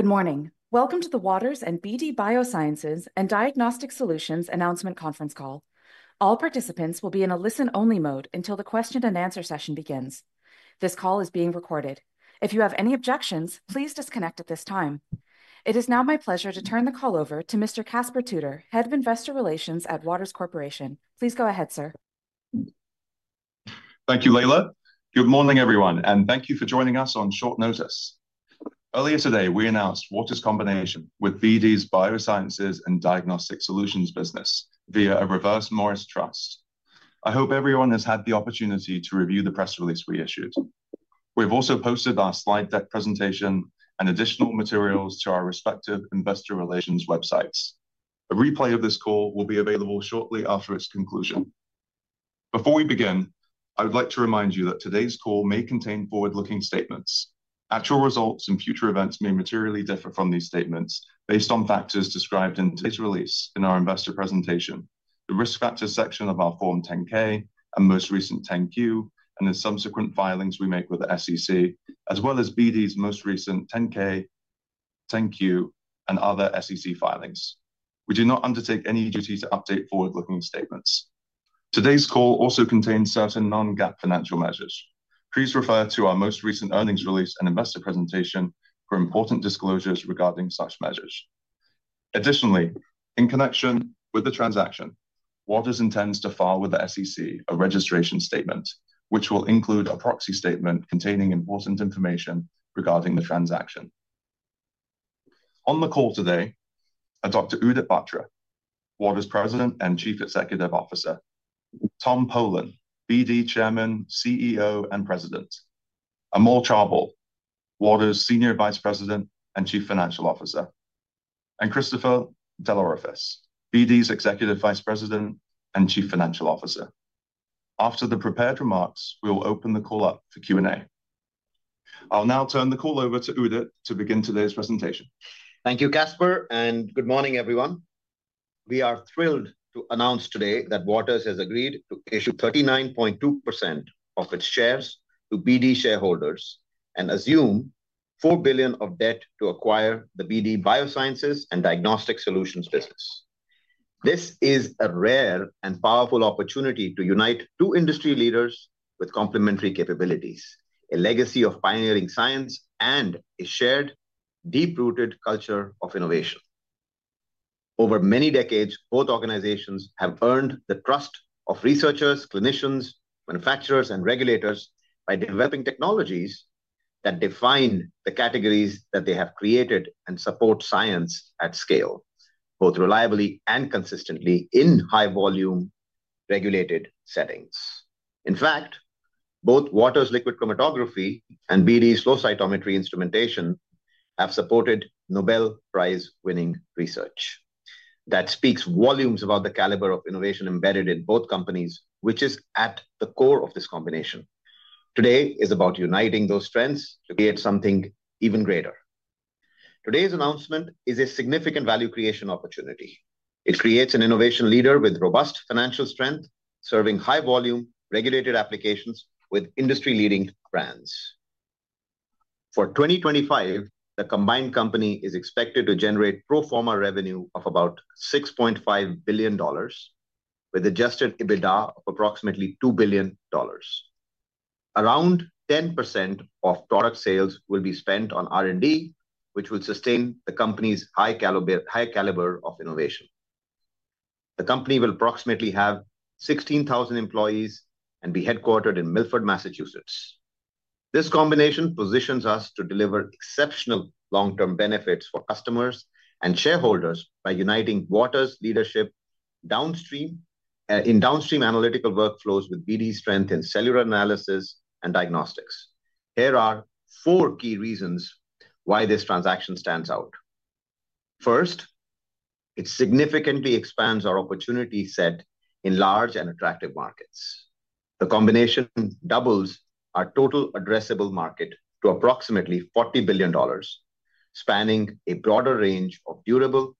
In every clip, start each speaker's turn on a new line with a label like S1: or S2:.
S1: Good morning. Welcome to the Waters and BD Biosciences and Diagnostic Solutions Announcement Conference Call. All participants will be in a listen-only mode until the question-and-answer session begins. This call is being recorded. If you have any objections, please disconnect at this time. It is now my pleasure to turn the call over to Mr. Caspar Tudor, Head of Investor Relations at Waters Corporation. Please go ahead, sir.
S2: Thank you, Leila. Good morning, everyone, and thank you for joining us on short notice. Earlier today, we announced Waters' combination with BD's Biosciences and Diagnostic Solutions business via a reverse Morris trust. I hope everyone has had the opportunity to review the press release we issued. We have also posted our slide deck presentation and additional materials to our respective investor relations websites. A replay of this call will be available shortly after its conclusion. Before we begin, I would like to remind you that today's call may contain forward-looking statements. Actual results and future events may materially differ from these statements based on factors described in today's release, in our investor presentation, the risk factors section of our Form 10-K and most recent 10-Q, and the subsequent filings we make with the SEC, as well as BD's most recent 10-K, 10-Q, and other SEC filings. We do not undertake any duty to update forward-looking statements. Today's call also contains certain non-GAAP financial measures. Please refer to our most recent earnings release and investor presentation for important disclosures regarding such measures. Additionally, in connection with the transaction, Waters intends to file with the SEC a registration statement, which will include a proxy statement containing important information regarding the transaction. On the call today are Dr. Udit Batra, Waters' President and Chief Executive Officer; Tom Polen, BD Chairman, CEO, and President; Amol Chaubal, Waters' Senior Vice President and Chief Financial Officer; and Christopher DelOrefice, BD's Executive Vice President and Chief Financial Officer. After the prepared remarks, we will open the call up for Q&A. I'll now turn the call over to Udit to begin today's presentation.
S3: Thank you, Caspar, and good morning, everyone. We are thrilled to announce today that Waters has agreed to issue 39.2% of its shares to BD shareholders and assume $4 billion of debt to acquire the BD Biosciences and Diagnostic Solutions business. This is a rare and powerful opportunity to unite two industry leaders with complementary capabilities, a legacy of pioneering science, and a shared, deep-rooted culture of innovation. Over many decades, both organizations have earned the trust of researchers, clinicians, manufacturers, and regulators by developing technologies that define the categories that they have created and support science at scale, both reliably and consistently in high-volume regulated settings. In fact, both Waters' liquid chromatography and BD's flow cytometry instrumentation have supported Nobel Prize-winning research. That speaks volumes about the caliber of innovation embedded in both companies, which is at the core of this combination. Today is about uniting those strengths to create something even greater. Today's announcement is a significant value creation opportunity. It creates an innovation leader with robust financial strength, serving high-volume regulated applications with industry-leading brands. For 2025, the combined company is expected to generate pro forma revenue of about $6.5 billion, with adjusted EBITDA of approximately $2 billion. Around 10% of product sales will be spent on R&D, which will sustain the company's high caliber of innovation. The company will approximately have 16,000 employees and be headquartered in Milford, Massachusetts. This combination positions us to deliver exceptional long-term benefits for customers and shareholders by uniting Waters' leadership in downstream analytical workflows with BD's strength in cellular analysis and diagnostics. Here are four key reasons why this transaction stands out. First, it significantly expands our opportunity set in large and attractive markets. The combination doubles our total addressable market to approximately $40 billion. Spanning a broader range of durable,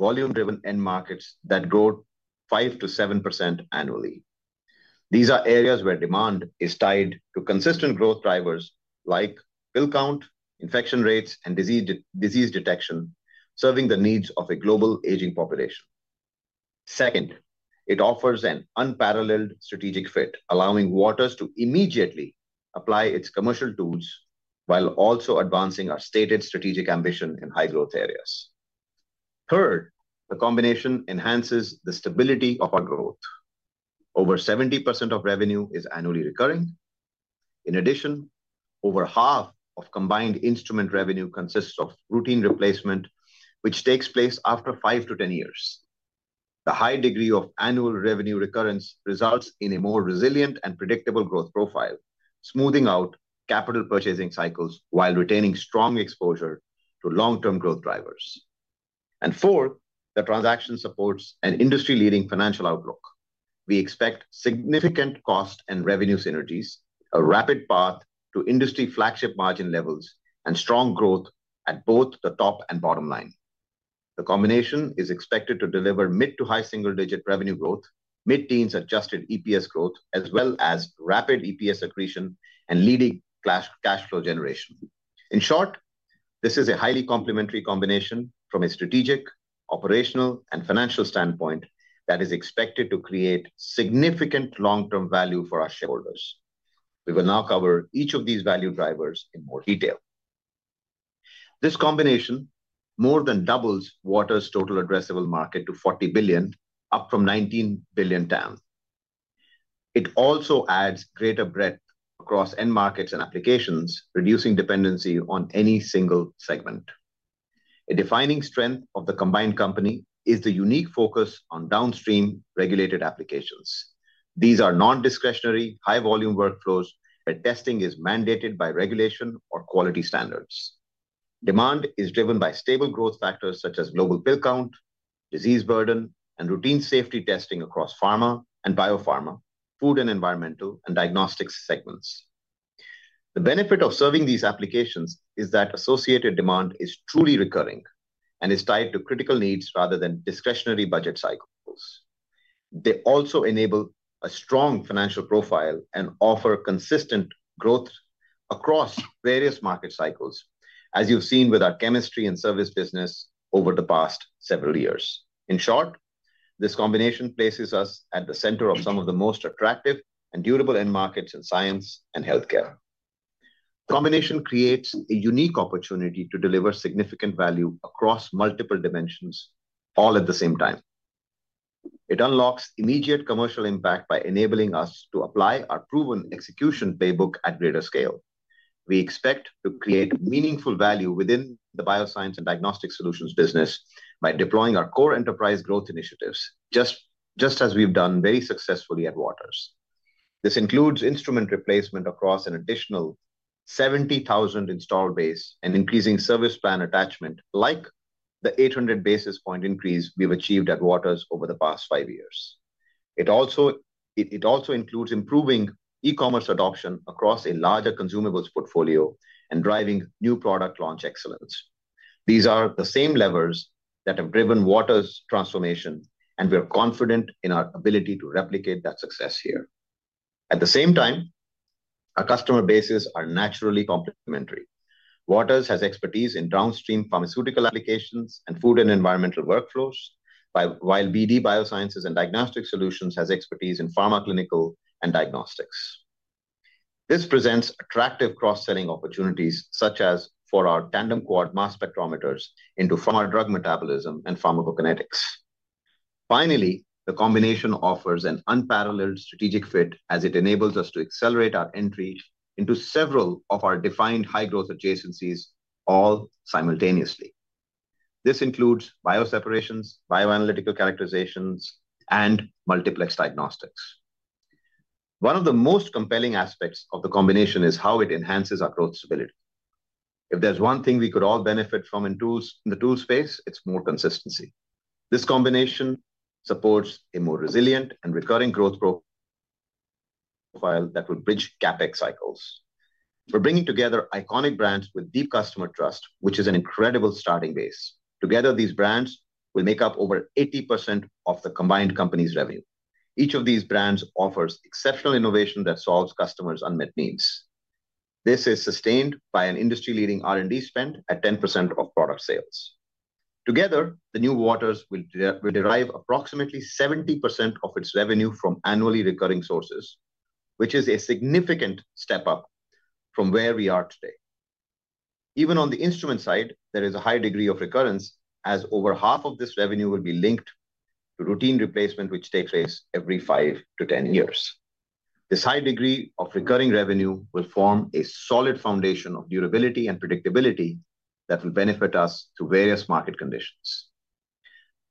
S3: volume-driven end markets that grow 5%-7% annually. These are areas where demand is tied to consistent growth drivers like fill count, infection rates, and disease detection, serving the needs of a global aging population. Second, it offers an unparalleled strategic fit, allowing Waters to immediately apply its commercial tools while also advancing our stated strategic ambition in high-growth areas. Third, the combination enhances the stability of our growth. Over 70% of revenue is annually recurring. In addition, over half of combined instrument revenue consists of routine replacement, which takes place after 5-10 years. The high degree of annual revenue recurrence results in a more resilient and predictable growth profile, smoothing out capital purchasing cycles while retaining strong exposure to long-term growth drivers. Fourth, the transaction supports an industry-leading financial outlook. We expect significant cost and revenue synergies, a rapid path to industry flagship margin levels, and strong growth at both the top and bottom line. The combination is expected to deliver mid to high single-digit revenue growth, mid-teens adjusted EPS growth, as well as rapid EPS accretion and leading cash flow generation. In short, this is a highly complementary combination from a strategic, operational, and financial standpoint that is expected to create significant long-term value for our shareholders. We will now cover each of these value drivers in more detail. This combination more than doubles Waters' total addressable market to $40 billion, up from $19 billion. It also adds greater breadth across end markets and applications, reducing dependency on any single segment. A defining strength of the combined company is the unique focus on downstream regulated applications. These are non-discretionary, high-volume workflows where testing is mandated by regulation or quality standards. Demand is driven by stable growth factors such as global fill count, disease burden, and routine safety testing across pharma and biopharma, food and environmental, and diagnostics segments. The benefit of serving these applications is that associated demand is truly recurring and is tied to critical needs rather than discretionary budget cycles. They also enable a strong financial profile and offer consistent growth across various market cycles, as you've seen with our chemistry and service business over the past several years. In short, this combination places us at the center of some of the most attractive and durable end markets in science and healthcare. The combination creates a unique opportunity to deliver significant value across multiple dimensions all at the same time. It unlocks immediate commercial impact by enabling us to apply our proven execution playbook at greater scale. We expect to create meaningful value within the bioscience and diagnostic solutions business by deploying our core enterprise growth initiatives, just as we've done very successfully at Waters. This includes instrument replacement across an additional 70,000 installed base and increasing service plan attachment, like the 800 basis point increase we've achieved at Waters over the past five years. It also includes improving e-commerce adoption across a larger consumables portfolio and driving new product launch excellence. These are the same levers that have driven Waters' transformation, and we're confident in our ability to replicate that success here. At the same time, our customer bases are naturally complementary. Waters has expertise in downstream pharmaceutical applications and food and environmental workflows, while BD Biosciences and Diagnostic Solutions has expertise in pharma clinical and diagnostics. This presents attractive cross-selling opportunities, such as for our tandem-quad mass spectrometers into pharma drug metabolism and pharmacokinetics. Finally, the combination offers an unparalleled strategic fit as it enables us to accelerate our entry into several of our defined high-growth adjacencies all simultaneously. This includes bioseparations, bioanalytical characterizations, and multiplex diagnostics. One of the most compelling aspects of the combination is how it enhances our growth stability. If there's one thing we could all benefit from in the tool space, it's more consistency. This combination supports a more resilient and recurring growth profile that will bridge CapEx cycles. We're bringing together iconic brands with deep customer trust, which is an incredible starting base. Together, these brands will make up over 80% of the combined company's revenue. Each of these brands offers exceptional innovation that solves customers' unmet needs. This is sustained by an industry-leading R&D spend at 10% of product sales. Together, the new Waters will derive approximately 70% of its revenue from annually recurring sources, which is a significant step up from where we are today. Even on the instrument side, there is a high degree of recurrence, as over half of this revenue will be linked to routine replacement, which takes place every 5-10 years. This high degree of recurring revenue will form a solid foundation of durability and predictability that will benefit us through various market conditions.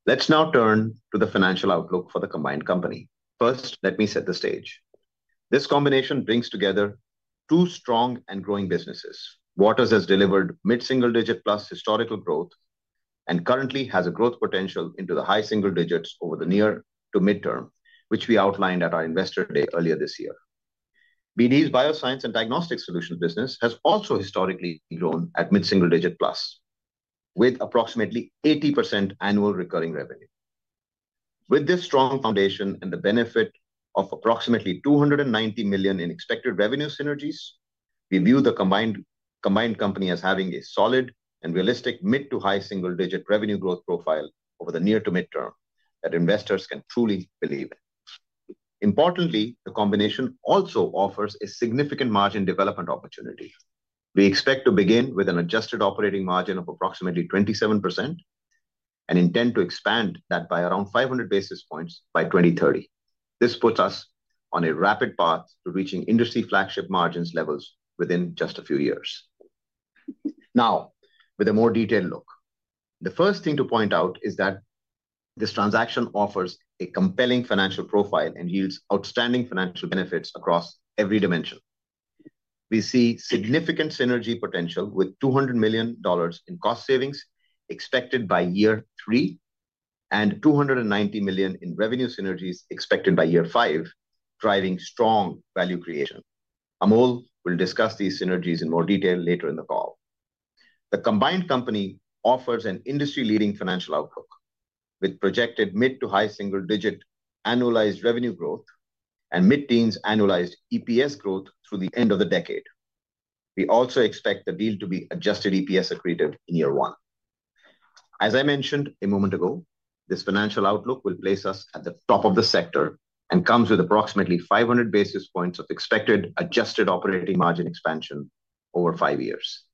S3: Let's now turn to the financial outlook for the combined company. First, let me set the stage. This combination brings together two strong and growing businesses. Waters has delivered mid-single-digit plus historical growth and currently has a growth potential into the high single digits over the near to midterm, which we outlined at our investor day earlier this year. BD's Biosciences and Diagnostic Solutions business has also historically grown at mid-single-digit plus, with approximately 80% annual recurring revenue. With this strong foundation and the benefit of approximately $290 million in expected revenue synergies, we view the combined company as having a solid and realistic mid to high single-digit revenue growth profile over the near to midterm that investors can truly believe in. Importantly, the combination also offers a significant margin development opportunity. We expect to begin with an adjusted operating margin of approximately 27% and intend to expand that by around 500 basis points by 2030. This puts us on a rapid path to reaching industry flagship margin levels within just a few years. Now, with a more detailed look, the first thing to point out is that this transaction offers a compelling financial profile and yields outstanding financial benefits across every dimension. We see significant synergy potential with $200 million in cost savings expected by year three and $290 million in revenue synergies expected by year five, driving strong value creation. Amol will discuss these synergies in more detail later in the call. The combined company offers an industry-leading financial outlook with projected mid to high single-digit annualized revenue growth and mid-teens annualized EPS growth through the end of the decade. We also expect the deal to be adjusted EPS accretive in year one. As I mentioned a moment ago, this financial outlook will place us at the top of the sector and comes with approximately 500 basis points of expected adjusted operating margin expansion over five years.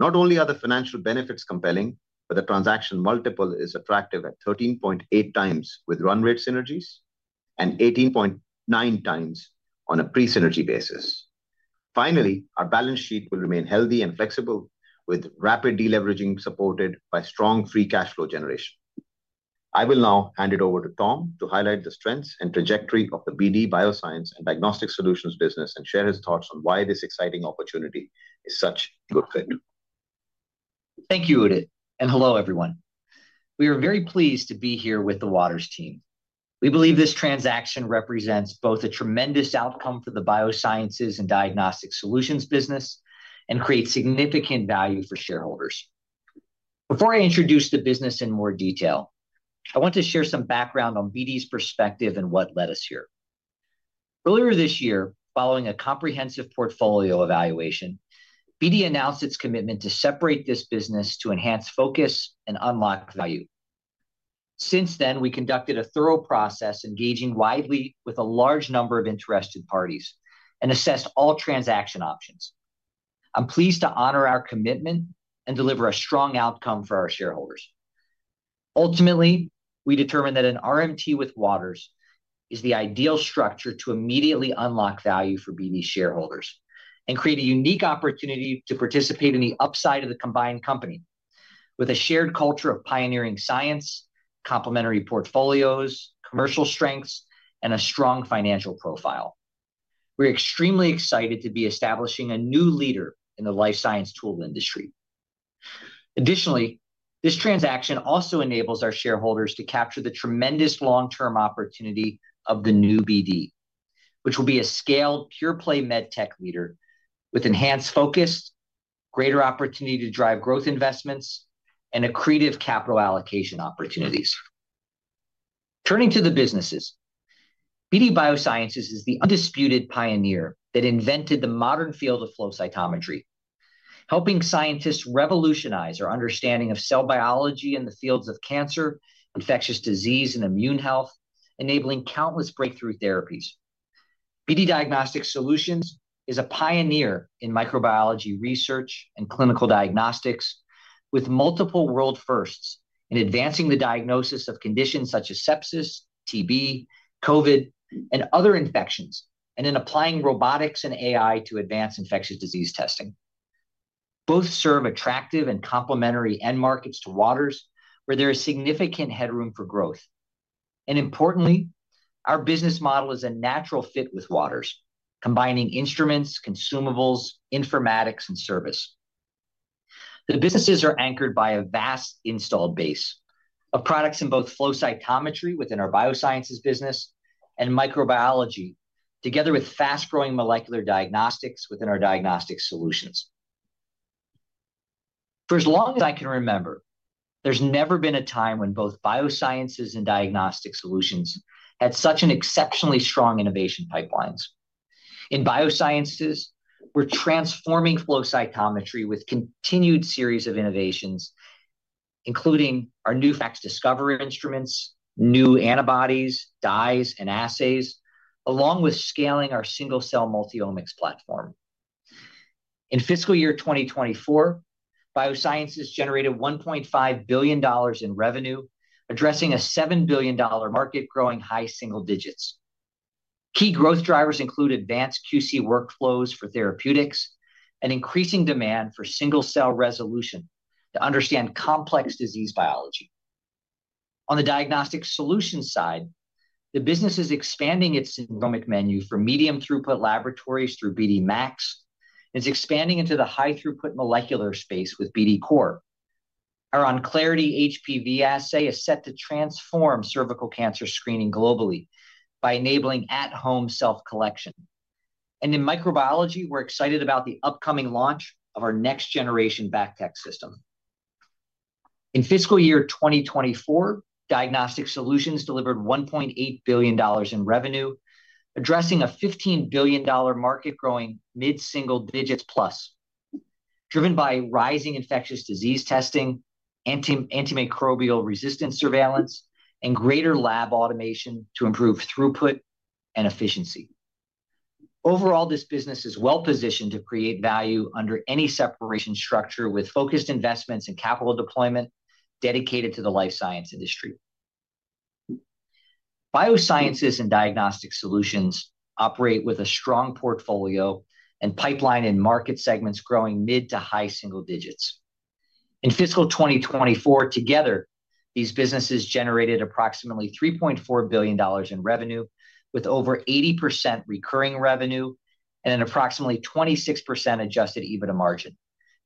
S3: Not only are the financial benefits compelling, but the transaction multiple is attractive at 13.8 times with run rate synergies and 18.9 times on a pre-synergy basis. Finally, our balance sheet will remain healthy and flexible, with rapid deleveraging supported by strong free cash flow generation. I will now hand it over to Tom to highlight the strengths and trajectory of the BD Biosciences and Diagnostic Solutions business and share his thoughts on why this exciting opportunity is such a good fit.
S4: Thank you, Udit. Hello, everyone. We are very pleased to be here with the Waters team. We believe this transaction represents both a tremendous outcome for the biosciences and diagnostic solutions business and creates significant value for shareholders. Before I introduce the business in more detail, I want to share some background on BD's perspective and what led us here. Earlier this year, following a comprehensive portfolio evaluation, BD announced its commitment to separate this business to enhance focus and unlock value. Since then, we conducted a thorough process engaging widely with a large number of interested parties and assessed all transaction options. I'm pleased to honor our commitment and deliver a strong outcome for our shareholders. Ultimately, we determined that an RMT with Waters is the ideal structure to immediately unlock value for BD's shareholders and create a unique opportunity to participate in the upside of the combined company with a shared culture of pioneering science, complementary portfolios, commercial strengths, and a strong financial profile. We're extremely excited to be establishing a new leader in the life science tool industry. Additionally, this transaction also enables our shareholders to capture the tremendous long-term opportunity of the new BD, which will be a scaled pure-play medtech leader with enhanced focus, greater opportunity to drive growth investments, and accretive capital allocation opportunities. Turning to the businesses. BD Biosciences is the undisputed pioneer that invented the modern field of flow cytometry, helping scientists revolutionize our understanding of cell biology in the fields of cancer, infectious disease, and immune health, enabling countless breakthrough therapies. BD Diagnostic Solutions is a pioneer in microbiology research and clinical diagnostics, with multiple world firsts in advancing the diagnosis of conditions such as sepsis, TB, COVID, and other infections, and in applying robotics and AI to advance infectious disease testing. Both serve attractive and complementary end markets to Waters, where there is significant headroom for growth. Importantly, our business model is a natural fit with Waters, combining instruments, consumables, informatics, and service. The businesses are anchored by a vast installed base of products in both flow cytometry within our biosciences business and microbiology, together with fast-growing molecular diagnostics within our diagnostic solutions. For as long as I can remember, there has never been a time when both biosciences and diagnostic solutions had such exceptionally strong innovation pipelines. In biosciences, we are transforming flow cytometry with continued series of innovations, including our new FACSDiscover instruments, new antibodies, dyes, and assays, along with scaling our single-cell multi-omics platform. In fiscal year 2024, biosciences generated $1.5 billion in revenue, addressing a $7 billion market growing high single digits. Key growth drivers include advanced QC workflows for therapeutics and increasing demand for single-cell resolution to understand complex disease biology. On the diagnostic solutions side, the business is expanding its genomic menu for medium throughput laboratories through BD MAX and is expanding into the high throughput molecular space with BD COR. Our Onclarity HPV Assay is set to transform cervical cancer screening globally by enabling at-home self-collection. In microbiology, we're excited about the upcoming launch of our next-generation BACTEC system. In fiscal year 2024, diagnostic solutions delivered $1.8 billion in revenue, addressing a $15 billion market growing mid-single digits plus, driven by rising infectious disease testing, antimicrobial resistance surveillance, and greater lab automation to improve throughput and efficiency. Overall, this business is well-positioned to create value under any separation structure with focused investments and capital deployment dedicated to the life science industry. Biosciences and diagnostic solutions operate with a strong portfolio and pipeline in market segments growing mid to high single digits. In fiscal 2024, together, these businesses generated approximately $3.4 billion in revenue, with over 80% recurring revenue and an approximately 26% adjusted EBITDA margin,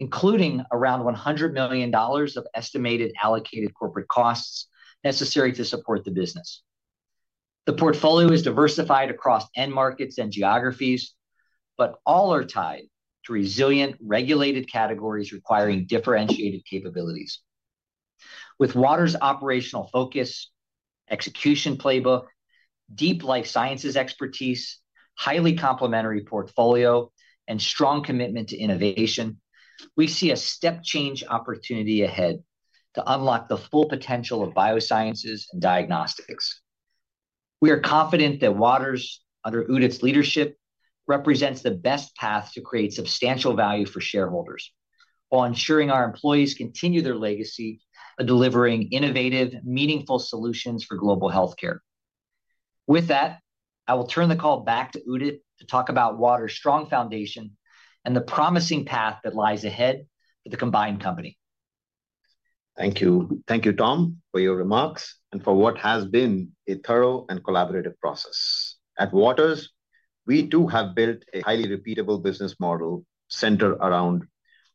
S4: including around $100 million of estimated allocated corporate costs necessary to support the business. The portfolio is diversified across end markets and geographies, but all are tied to resilient regulated categories requiring differentiated capabilities. With Waters' operational focus, execution playbook, deep life sciences expertise, highly complementary portfolio, and strong commitment to innovation, we see a step-change opportunity ahead to unlock the full potential of biosciences and diagnostics. We are confident that Waters, under Udit's leadership, represents the best path to create substantial value for shareholders while ensuring our employees continue their legacy of delivering innovative, meaningful solutions for global healthcare. With that, I will turn the call back to Udit to talk about Waters' strong foundation and the promising path that lies ahead for the combined company.
S3: Thank you. Thank you, Tom, for your remarks and for what has been a thorough and collaborative process. At Waters, we too have built a highly repeatable business model centered around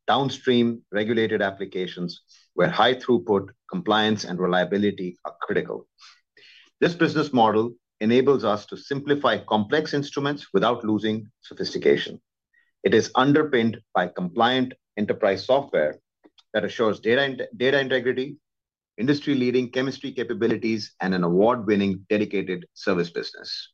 S3: downstream regulated applications where high throughput, compliance, and reliability are critical. This business model enables us to simplify complex instruments without losing sophistication. It is underpinned by compliant enterprise software that assures data integrity, industry-leading chemistry capabilities, and an award-winning dedicated service business.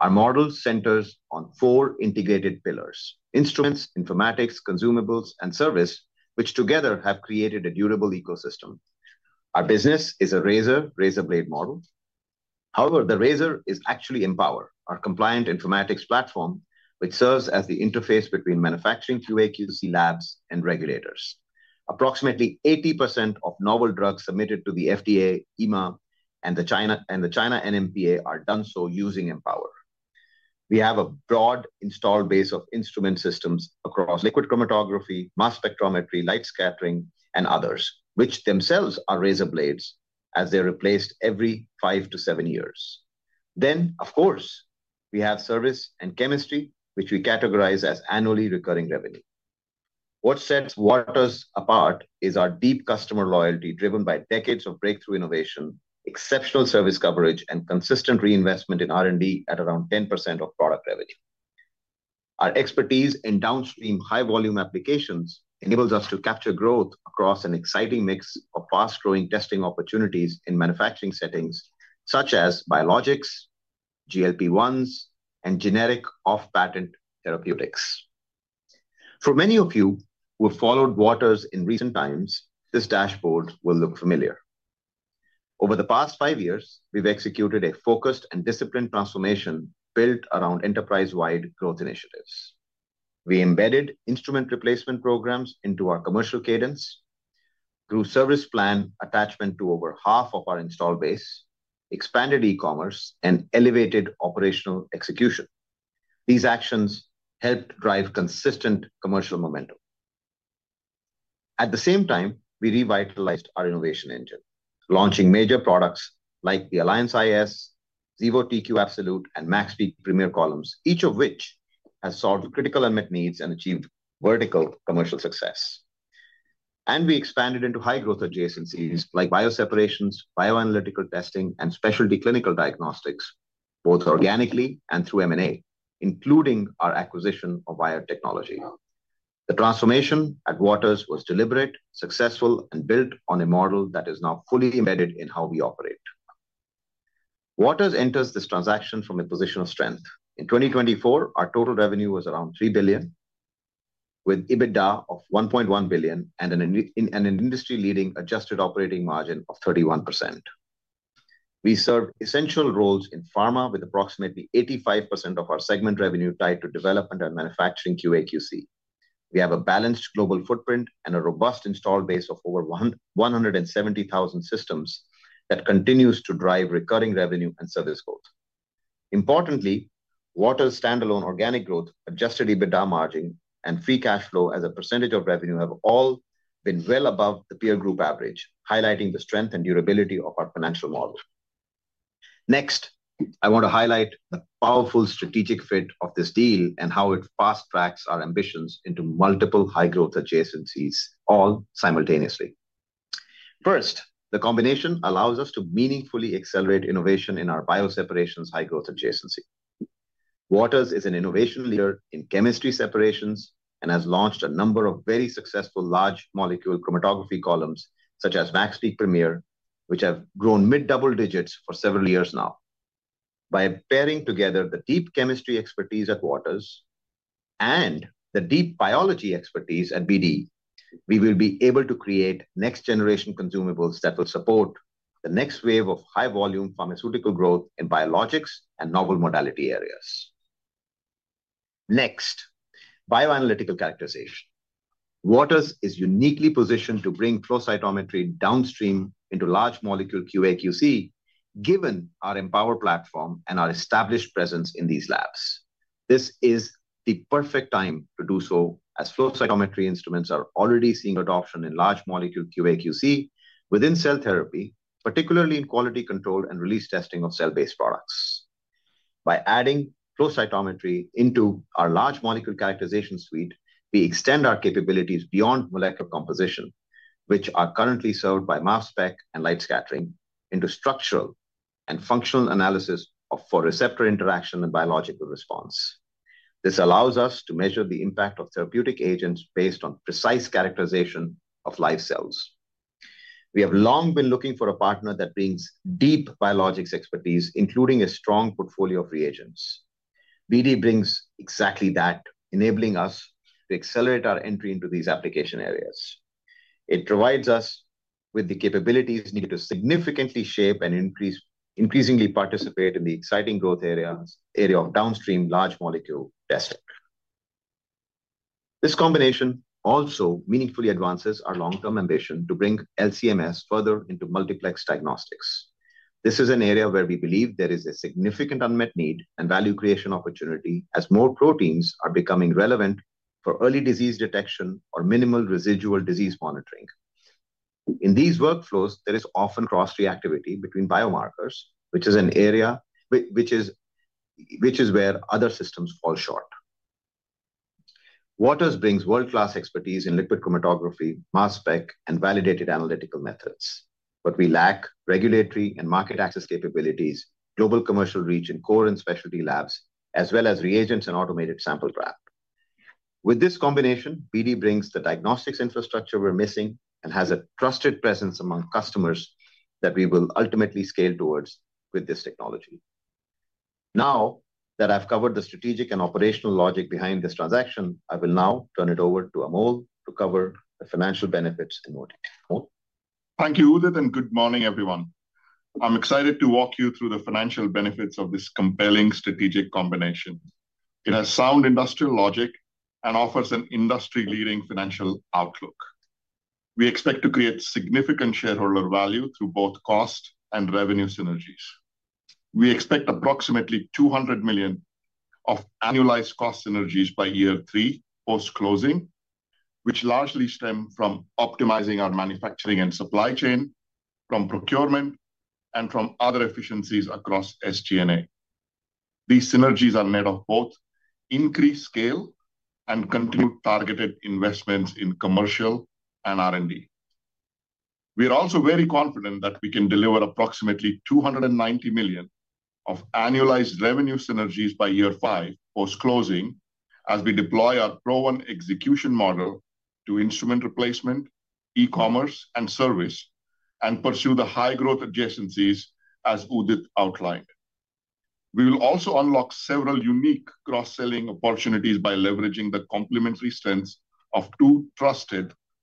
S3: Our model centers on four integrated pillars: instruments, informatics, consumables, and service, which together have created a durable ecosystem. Our business is a razor-razor blade model. However, the razor is actually Empower, our compliant informatics platform, which serves as the interface between manufacturing QA/QC labs and regulators. Approximately 80% of novel drugs submitted to the FDA, EMA, and the China NMPA are done so using Empower. We have a broad installed base of instrument systems across liquid chromatography, mass spectrometry, light scattering, and others, which themselves are razor blades as they're replaced every five to seven years. Of course, we have service and chemistry, which we categorize as annually recurring revenue. What sets Waters apart is our deep customer loyalty driven by decades of breakthrough innovation, exceptional service coverage, and consistent reinvestment in R&D at around 10% of product revenue. Our expertise in downstream high-volume applications enables us to capture growth across an exciting mix of fast-growing testing opportunities in manufacturing settings such as biologics, GLP-1s, and generic off-patent therapeutics. For many of you who have followed Waters in recent times, this dashboard will look familiar. Over the past five years, we've executed a focused and disciplined transformation built around enterprise-wide growth initiatives. We embedded instrument replacement programs into our commercial cadence. Through service plan attachment to over half of our installed base, expanded e-commerce, and elevated operational execution. These actions helped drive consistent commercial momentum. At the same time, we revitalized our innovation engine, launching major products like the Alliance iS, Xevo TQ Absolute, and MaxPeak Premier Columns, each of which has solved critical unmet needs and achieved vertical commercial success. We expanded into high-growth adjacencies like bioseparations, bioanalytical testing, and specialty clinical diagnostics, both organically and through M&A, including our acquisition of biotechnology. The transformation at Waters was deliberate, successful, and built on a model that is now fully embedded in how we operate. Waters enters this transaction from a position of strength. In 2024, our total revenue was around $3 billion. With EBITDA of $1.1 billion and an industry-leading adjusted operating margin of 31%. We serve essential roles in pharma, with approximately 85% of our segment revenue tied to development and manufacturing QA/QC. We have a balanced global footprint and a robust installed base of over 170,000 systems that continues to drive recurring revenue and service growth. Importantly, Waters' standalone organic growth, adjusted EBITDA margin, and free cash flow as a percentage of revenue have all been well above the peer group average, highlighting the strength and durability of our financial model. Next, I want to highlight the powerful strategic fit of this deal and how it fast-tracks our ambitions into multiple high-growth adjacencies, all simultaneously. First, the combination allows us to meaningfully accelerate innovation in our bioseparations high-growth adjacency. Waters is an innovation leader in chemistry separations and has launched a number of very successful large molecule chromatography columns, such as MaxPeak Premier, which have grown mid-double digits for several years now. By pairing together the deep chemistry expertise at Waters and the deep biology expertise at BD, we will be able to create next-generation consumables that will support the next wave of high-volume pharmaceutical growth in biologics and novel modality areas. Next, bioanalytical characterization. Waters is uniquely positioned to bring flow cytometry downstream into large molecule QA/QC, given our Empower platform and our established presence in these labs. This is the perfect time to do so, as flow cytometry instruments are already seeing adoption in large molecule QA/QC within cell therapy, particularly in quality control and release testing of cell-based products. By adding flow cytometry into our large molecule characterization suite, we extend our capabilities beyond molecular composition, which are currently served by mass spec and light scattering, into structural and functional analysis for receptor interaction and biological response. This allows us to measure the impact of therapeutic agents based on precise characterization of live cells. We have long been looking for a partner that brings deep biologics expertise, including a strong portfolio of reagents. BD brings exactly that, enabling us to accelerate our entry into these application areas. It provides us with the capabilities needed to significantly shape and increasingly participate in the exciting growth area of downstream large molecule testing. This combination also meaningfully advances our long-term ambition to bring LC-MS further into multiplex diagnostics. This is an area where we believe there is a significant unmet need and value creation opportunity, as more proteins are becoming relevant for early disease detection or minimal residual disease monitoring. In these workflows, there is often cross-reactivity between biomarkers, which is an area which is where other systems fall short. Waters brings world-class expertise in liquid chromatography, mass spec, and validated analytical methods, but we lack regulatory and market access capabilities, global commercial reach, and core and specialty labs, as well as reagents and automated sample graph. With this combination, BD brings the diagnostics infrastructure we're missing and has a trusted presence among customers that we will ultimately scale towards with this technology. Now that I've covered the strategic and operational logic behind this transaction, I will now turn it over to Amol to cover the financial benefits in more detail.
S5: Thank you, Udit, and good morning, everyone. I'm excited to walk you through the financial benefits of this compelling strategic combination. It has sound industrial logic and offers an industry-leading financial outlook. We expect to create significant shareholder value through both cost and revenue synergies. We expect approximately $200 million of annualized cost synergies by year three post-closing, which largely stem from optimizing our manufacturing and supply chain, from procurement, and from other efficiencies across SG&A. These synergies are made of both increased scale and continued targeted investments in commercial and R&D. We are also very confident that we can deliver approximately $290 million of annualized revenue synergies by year five post-closing as we deploy our Pro One execution model to instrument replacement, e-commerce, and service, and pursue the high-growth adjacencies, as Udit outlined. We will also unlock several unique cross-selling opportunities by leveraging the complementary strengths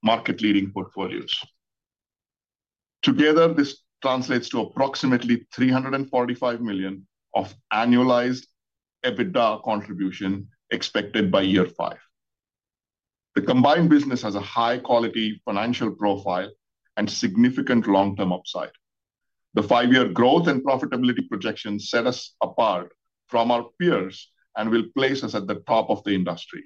S5: of two trusted market-leading portfolios. Together, this translates to approximately $345 million of annualized EBITDA contribution expected by year five. The combined business has a high-quality financial profile and significant long-term upside. The five-year growth and profitability projections set us apart from our peers and will place us at the top of the industry.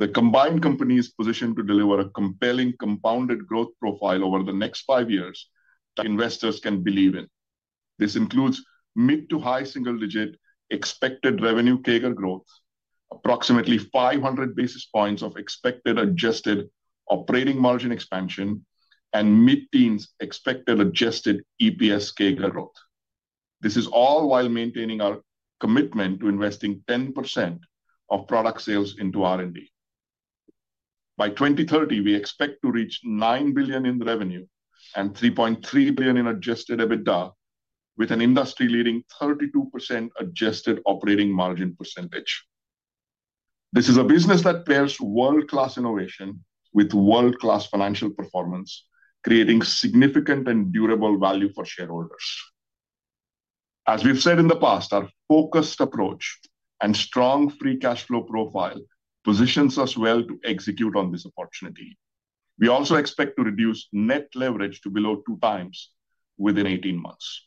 S5: The combined company is positioned to deliver a compelling compounded growth profile over the next five years that investors can believe in. This includes mid to high single-digit expected revenue CAGR growth, approximately 500 basis points of expected adjusted operating margin expansion, and mid-teens expected adjusted EPS CAGR growth. This is all while maintaining our commitment to investing 10% of product sales into R&D. By 2030, we expect to reach $9 billion in revenue and $3.3 billion in adjusted EBITDA, with an industry-leading 32% adjusted operating margin percentage. This is a business that pairs world-class innovation with world-class financial performance, creating significant and durable value for shareholders. As we've said in the past, our focused approach and strong free cash flow profile positions us well to execute on this opportunity. We also expect to reduce net leverage to below two times within 18 months.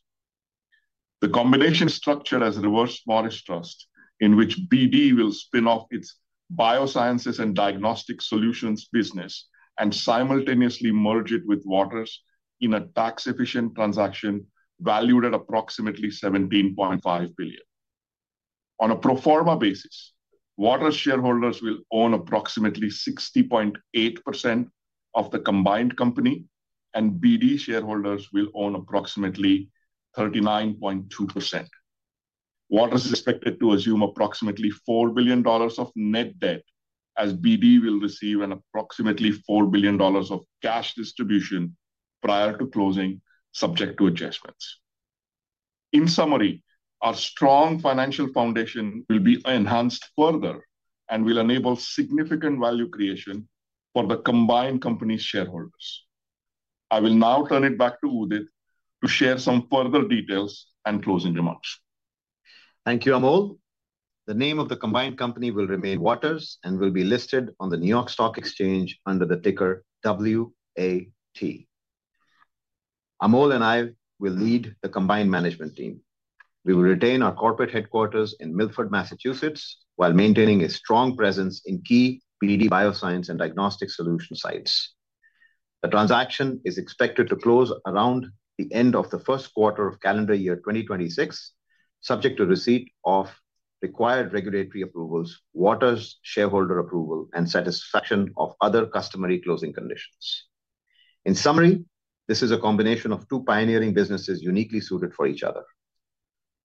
S5: The combination structure has reverse Morris Trust, in which BD will spin off its Biosciences and Diagnostic Solutions business and simultaneously merge it with Waters in a tax-efficient transaction valued at approximately $17.5 billion. On a pro forma basis, Waters shareholders will own approximately 60.8% of the combined company, and BD shareholders will own approximately 39.2%. Waters is expected to assume approximately $4 billion of net debt, as BD will receive an approximately $4 billion of cash distribution prior to closing, subject to adjustments. In summary, our strong financial foundation will be enhanced further and will enable significant value creation for the combined company's shareholders. I will now turn it back to Udit to share some further details and closing remarks.
S3: Thank you, Amol. The name of the combined company will remain Waters and will be listed on the New York Stock Exchange under the ticker WAT. Amol and I will lead the combined management team. We will retain our corporate headquarters in Milford, Massachusetts, while maintaining a strong presence in key BD Biosciences and Diagnostic Solutions sites. The transaction is expected to close around the end of the first quarter of calendar year 2026, subject to receipt of required regulatory approvals, Waters shareholder approval, and satisfaction of other customary closing conditions. In summary, this is a combination of two pioneering businesses uniquely suited for each other.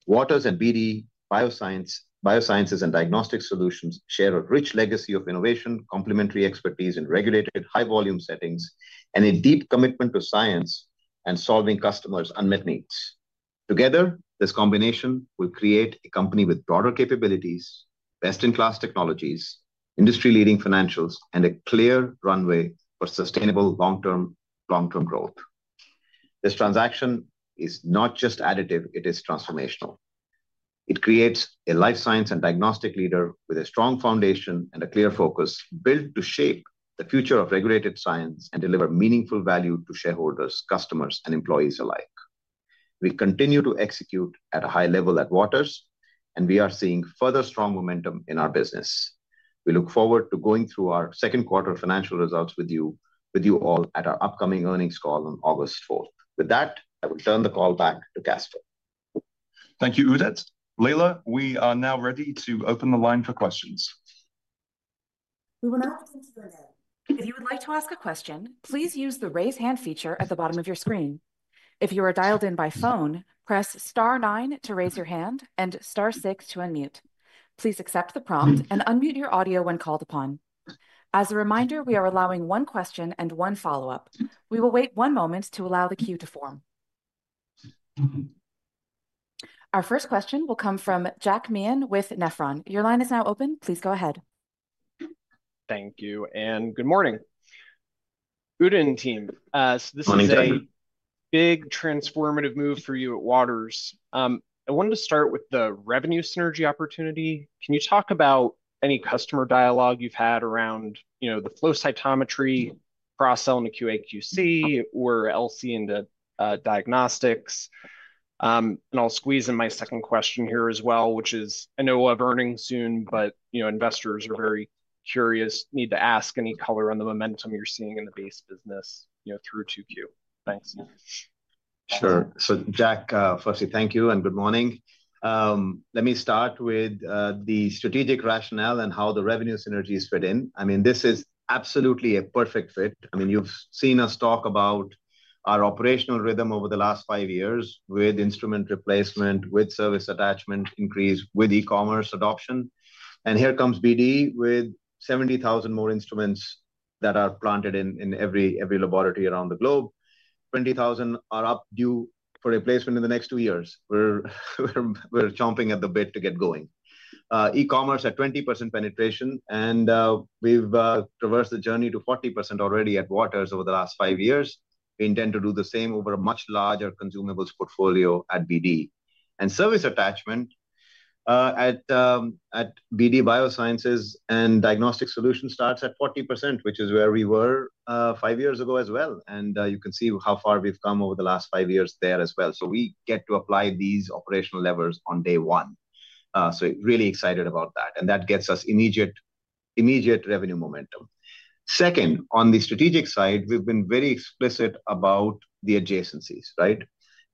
S3: Waters and BD Biosciences and Diagnostic Solutions share a rich legacy of innovation, complementary expertise in regulated high-volume settings, and a deep commitment to science and solving customers' unmet needs. Together, this combination will create a company with broader capabilities, best-in-class technologies, industry-leading financials, and a clear runway for sustainable long-term growth. This transaction is not just additive; it is transformational. It creates a life science and diagnostic leader with a strong foundation and a clear focus built to shape the future of regulated science and deliver meaningful value to shareholders, customers, and employees alike. We continue to execute at a high level at Waters, and we are seeing further strong momentum in our business. We look forward to going through our second quarter financial results with you all at our upcoming earnings call on August 4th. With that, I will turn the call back to Caspar.
S2: Thank you, Udit. Leila, we are now ready to open the line for questions.
S1: We will now continue again. If you would like to ask a question, please use the raise hand feature at the bottom of your screen. If you are dialed in by phone, press star 9 to raise your hand and star 6 to unmute. Please accept the prompt and unmute your audio when called upon. As a reminder, we are allowing one question and one follow-up. We will wait one moment to allow the queue to form. Our first question will come from Jack Mann with Nephron. Your line is now open. Please go ahead.
S6: Thank you, and good morning. Udit and team, so this is a big transformative move for you at Waters. I wanted to start with the revenue synergy opportunity. Can you talk about any customer dialogue you've had around the flow cytometry, cross-selling to QA/QC, or LC into diagnostics? I'll squeeze in my second question here as well, which is, I know we'll have earnings soon, but investors are very curious, need to ask any color on the momentum you're seeing in the base business through to Q2.
S3: Thanks. Sure. Jack, firstly, thank you and good morning. Let me start with the strategic rationale and how the revenue synergies fit in. I mean, this is absolutely a perfect fit. You've seen us talk about our operational rhythm over the last five years with instrument replacement, with service attachment increase, with e-commerce adoption. Here comes BD with 70,000 more instruments that are planted in every laboratory around the globe. 20,000 are up due for replacement in the next two years. We're chomping at the bit to get going. E-commerce at 20% penetration, and we've traversed the journey to 40% already at Waters over the last five years. We intend to do the same over a much larger consumables portfolio at BD. And service attachment at BD Biosciences and Diagnostic Solutions starts at 40%, which is where we were five years ago as well. You can see how far we've come over the last five years there as well. We get to apply these operational levers on day one. Really excited about that. That gets us immediate revenue momentum. Second, on the strategic side, we've been very explicit about the adjacencies, right?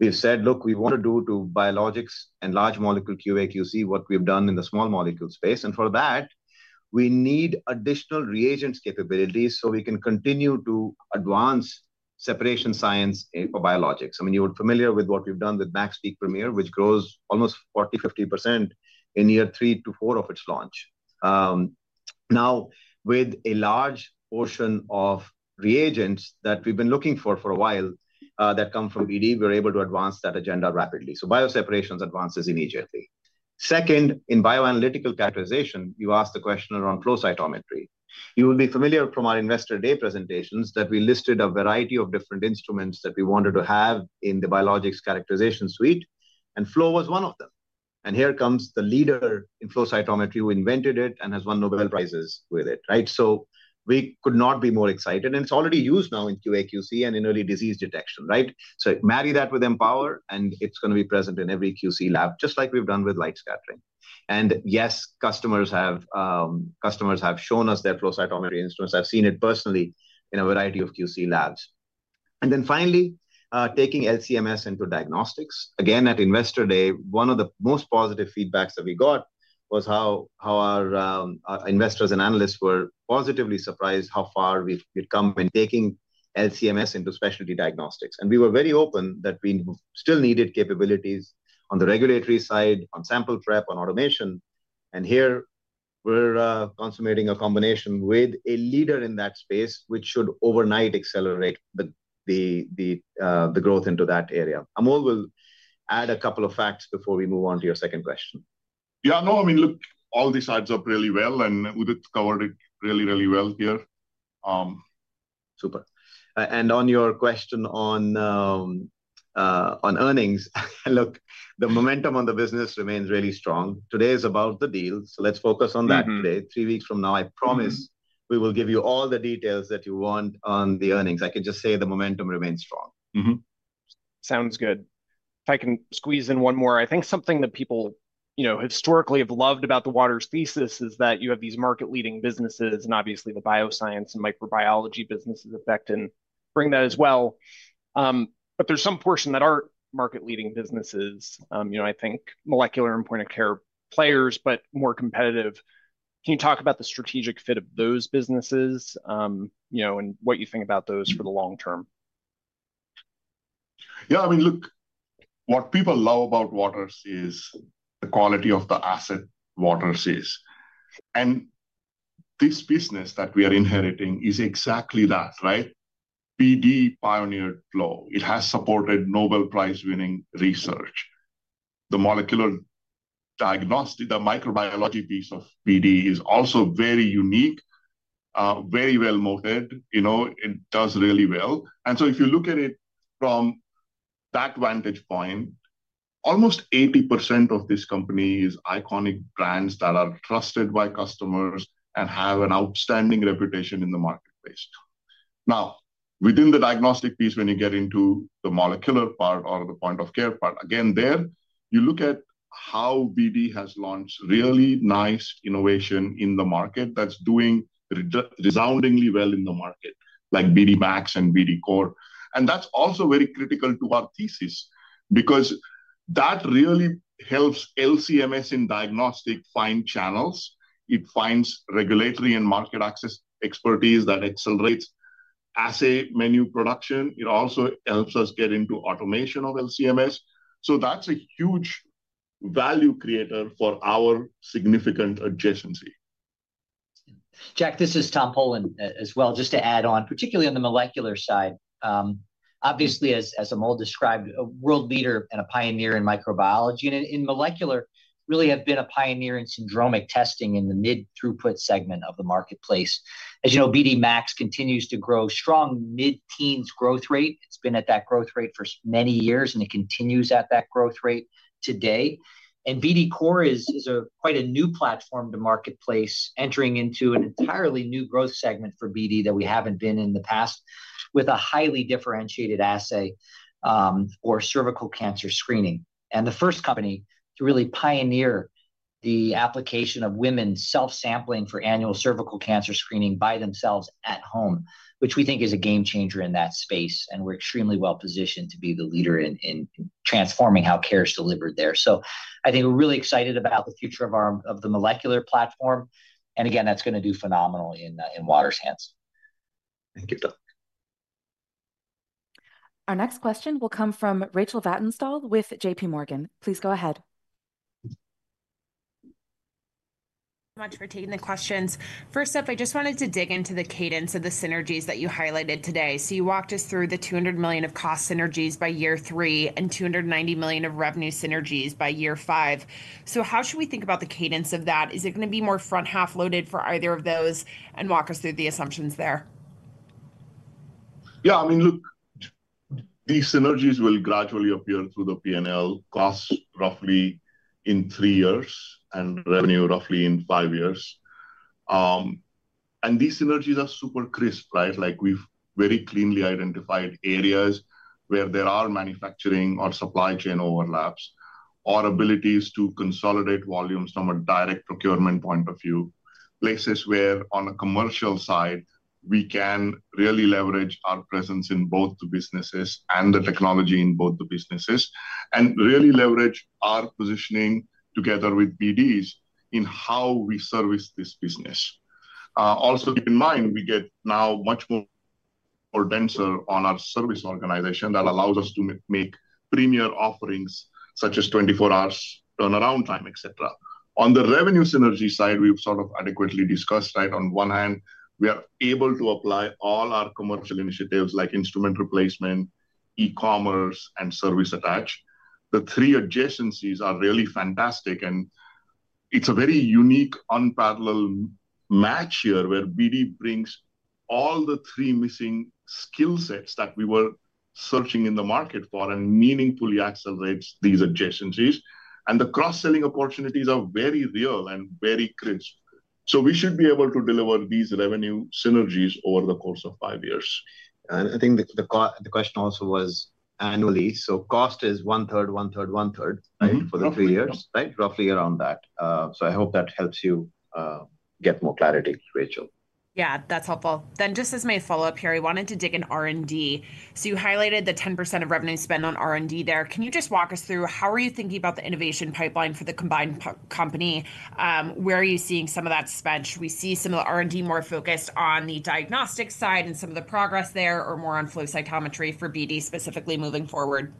S3: We've said, "Look, we want to do to biologics and large molecule QA/QC what we've done in the small molecule space." For that, we need additional reagents capabilities so we can continue to advance separation science for biologics. I mean, you're familiar with what we've done with Maxpeak Premier, which grows almost 40%-50% in year three to four of its launch. Now, with a large portion of reagents that we've been looking for for a while that come from BD, we're able to advance that agenda rapidly. Bioseparation advances immediately. Second, in bioanalytical characterization, you asked the question around flow cytometry. You will be familiar from our investor day presentations that we listed a variety of different instruments that we wanted to have in the biologics characterization suite, and Flow was one of them. Here comes the leader in flow cytometry who invented it and has won Nobel Prizes with it, right? We could not be more excited. It is already used now in QA/QC and in early disease detection, right? Marry that with Empower, and it is going to be present in every QC lab, just like we have done with light scattering. Yes, customers have shown us their flow cytometry instruments. I have seen it personally in a variety of QC labs. Finally, taking LC-MS into diagnostics. Again, at investor day, one of the most positive feedbacks that we got was how our investors and analysts were positively surprised how far we have come in taking LC-MS into specialty diagnostics. We were very open that we still needed capabilities on the regulatory side, on sample prep, on automation. Here, we're consummating a combination with a leader in that space, which should overnight accelerate the growth into that area. Amol will add a couple of facts before we move on to your second question.
S5: Yeah, no, I mean, look, all these sides up really well, and Udit covered it really, really well here. Super. On your question on earnings, look, the momentum on the business remains really strong. Today is about the deal. Let's focus on that today. Three weeks from now, I promise we will give you all the details that you want on the earnings. I can just say the momentum remains strong.
S6: Sounds good. If I can squeeze in one more, I think something that people historically have loved about the Waters thesis is that you have these market-leading businesses, and obviously the bioscience and microbiology businesses affect and bring that as well. There's some portion that aren't market-leading businesses, I think molecular and point-of-care players, but more competitive. Can you talk about the strategic fit of those businesses. And what you think about those for the long term?
S5: Yeah, I mean, look, what people love about Waters is the quality of the asset Waters is. This business that we are inheriting is exactly that, right? BD pioneered Flow. It has supported Nobel Prize-winning research. The molecular. Diagnostic, the microbiology piece of BD is also very unique. Very well moated. It does really well. If you look at it from that vantage point, almost 80% of this company is iconic brands that are trusted by customers and have an outstanding reputation in the marketplace. Now, within the diagnostic piece, when you get into the molecular part or the point-of-care part, again, there, you look at how BD has launched really nice innovation in the market that's doing resoundingly well in the market, like BD MAX and BD COR. And that's also very critical to our thesis because that really helps LCMS in diagnostic find channels. It finds regulatory and market access expertise that accelerates assay menu production. It also helps us get into automation of LCMS. So that's a huge value creator for our significant adjacency.
S4: Jack, this is Tom Polen as well, just to add on, particularly on the molecular side. Obviously, as Amol described, a world leader and a pioneer in microbiology. And in molecular, really have been a pioneer in syndromic testing in the mid-throughput segment of the marketplace. As you know, BD MAX continues to grow strong mid-teens growth rate. It's been at that growth rate for many years, and it continues at that growth rate today. BD COR is quite a new platform to marketplace, entering into an entirely new growth segment for BD that we haven't been in the past, with a highly differentiated assay for cervical cancer screening. The first company to really pioneer the application of women's self-sampling for annual cervical cancer screening by themselves at home, which we think is a game changer in that space. We are extremely well positioned to be the leader in transforming how care is delivered there. I think we're really excited about the future of the molecular platform. Again, that's going to do phenomenally in Waters' hands.
S6: Thank you, Tom.
S1: Our next question will come from Rachel Vatnsdal with JP Morgan. Please go ahead.
S7: Thank you so much for taking the questions. First up, I just wanted to dig into the cadence of the synergies that you highlighted today. You walked us through the $200 million of cost synergies by year three and $290 million of revenue synergies by year five. How should we think about the cadence of that? Is it going to be more front half loaded for either of those and walk us through the assumptions there?
S5: Yeah, I mean, look. These synergies will gradually appear through the P&L costs roughly in three years and revenue roughly in five years. These synergies are super crisp, right? We've very cleanly identified areas where there are manufacturing or supply chain overlaps or abilities to consolidate volumes from a direct procurement point of view, places where on a commercial side, we can really leverage our presence in both the businesses and the technology in both the businesses, and really leverage our positioning together with BD's in how we service this business. Also, keep in mind, we get now much more denser on our service organization that allows us to make premier offerings such as 24-hour turnaround time, etc. On the revenue synergy side, we've sort of adequately discussed, right? On one hand, we are able to apply all our commercial initiatives like instrument replacement, e-commerce, and service attach. The three adjacencies are really fantastic, and it's a very unique, unparalleled match here where BD brings all the three missing skill sets that we were searching in the market for and meaningfully accelerates these adjacencies. The cross-selling opportunities are very real and very crisp. We should be able to deliver these revenue synergies over the course of five years.
S3: I think the question also was annually. Cost is one-third, one-third, one-third, right, for the three years, right? Roughly around that. I hope that helps you get more clarity, Rachel.
S7: Yeah, that's helpful. Just as my follow-up here, I wanted to dig in R&D. You highlighted the 10% of revenue spent on R&D there. Can you just walk us through how are you thinking about the innovation pipeline for the combined company? Where are you seeing some of that spend? Should we see some of the R&D more focused on the diagnostic side and some of the progress there or more on flow cytometry for BD specifically moving forward?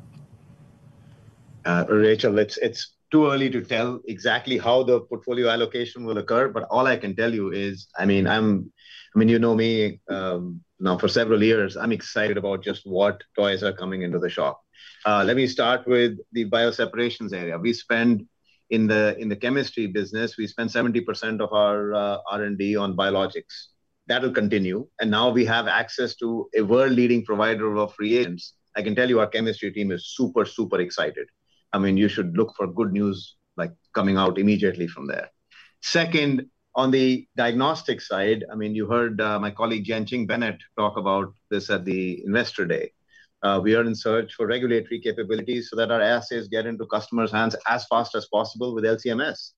S3: Rachel, it's too early to tell exactly how the portfolio allocation will occur, but all I can tell you is, I mean, you know me. Now for several years, I'm excited about just what toys are coming into the shop. Let me start with the bioseparations area. We spend in the chemistry business, we spend 70% of our R&D on biologics. That'll continue. And now we have access to a world-leading provider of reagents. I can tell you our chemistry team is super, super excited. I mean, you should look for good news coming out immediately from there. Second, on the diagnostic side, I mean, you heard my colleague Jianqing Bennett talk about this at the investor day. We are in search for regulatory capabilities so that our assays get into customers' hands as fast as possible with LC-MS.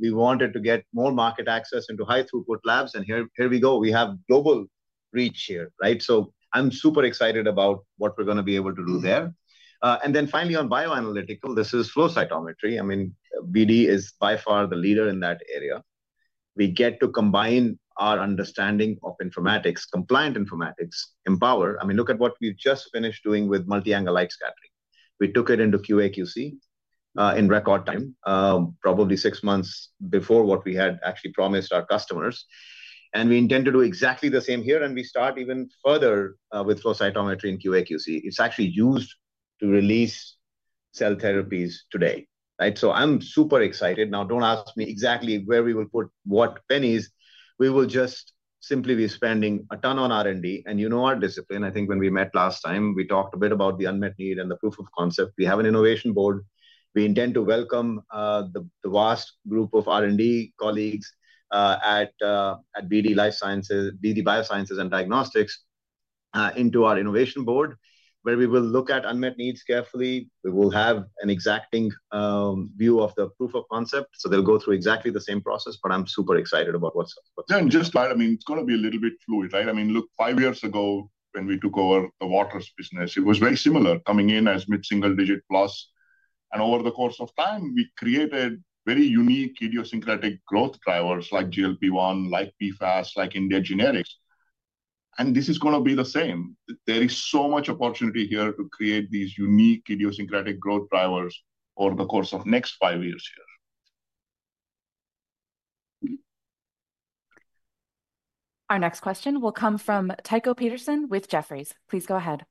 S3: We wanted to get more market access into high-throughput labs, and here we go. We have global reach here, right? I am super excited about what we are going to be able to do there. Finally, on bioanalytical, this is flow cytometry. I mean, BD is by far the leader in that area. We get to combine our understanding of informatics, compliant informatics, Empower. I mean, look at what we have just finished doing with multi-angle light scattering. We took it into QA/QC in record time, probably six months before what we had actually promised our customers. We intend to do exactly the same here, and we start even further with flow cytometry in QA/QC. It is actually used to release cell therapies today, right? I am super excited. Now, don't ask me exactly where we will put what pennies. We will just simply be spending a ton on R&D. And you know our discipline. I think when we met last time, we talked a bit about the unmet need and the proof of concept. We have an innovation board. We intend to welcome the vast group of R&D colleagues at BD Biosciences and Diagnostics into our innovation board, where we will look at unmet needs carefully. We will have an exacting view of the proof of concept. So they'll go through exactly the same process, but I'm super excited about what's coming.
S5: Yeah, and just that, I mean, it's going to be a little bit fluid, right? I mean, look, five years ago when we took over the Waters business, it was very similar coming in as mid-single digit plus. Over the course of time, we created very unique idiosyncratic growth drivers like GLP-1, like PFAS, like India Generics. This is going to be the same. There is so much opportunity here to create these unique idiosyncratic growth drivers over the course of the next five years here.
S1: Our next question will come from Tycho Peterson with Jefferies. Please go ahead.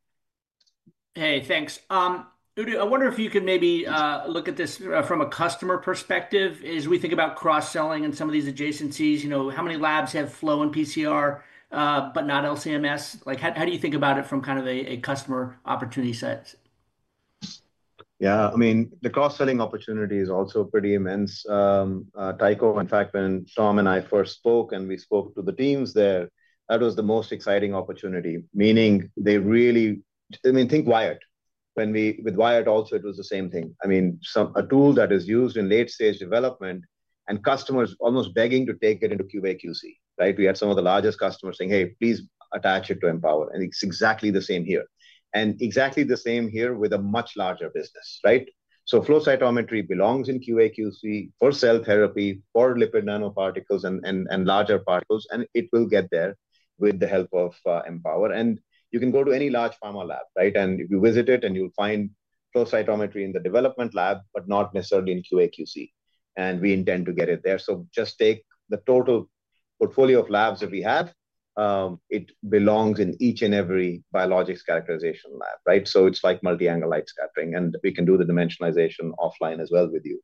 S8: Hey, thanks. Udit, I wonder if you can maybe look at this from a customer perspective. As we think about cross-selling and some of these adjacencies, how many labs have Flow and PCR but not LC-MS? How do you think about it from kind of a customer opportunity set?
S3: Yeah, I mean, the cross-selling opportunity is also pretty immense. Tycho, in fact, when Tom and I first spoke and we spoke to the teams there, that was the most exciting opportunity, meaning they really, I mean, think WiIT. With WiIT also, it was the same thing. I mean, a tool that is used in late-stage development and customers almost begging to take it into QA/QC, right? We had some of the largest customers saying, "Hey, please attach it to Empower." It is exactly the same here. Exactly the same here with a much larger business, right? Flow cytometry belongs in QA/QC for cell therapy, for lipid nanoparticles and larger particles, and it will get there with the help of Empower. You can go to any large pharma lab, right? If you visit it, you will find flow cytometry in the development lab, but not necessarily in QA/QC. We intend to get it there. Just take the total portfolio of labs that we have. It belongs in each and every biologics characterization lab, right? It is like multi-angle light scattering, and we can do the dimensionalization offline as well with you.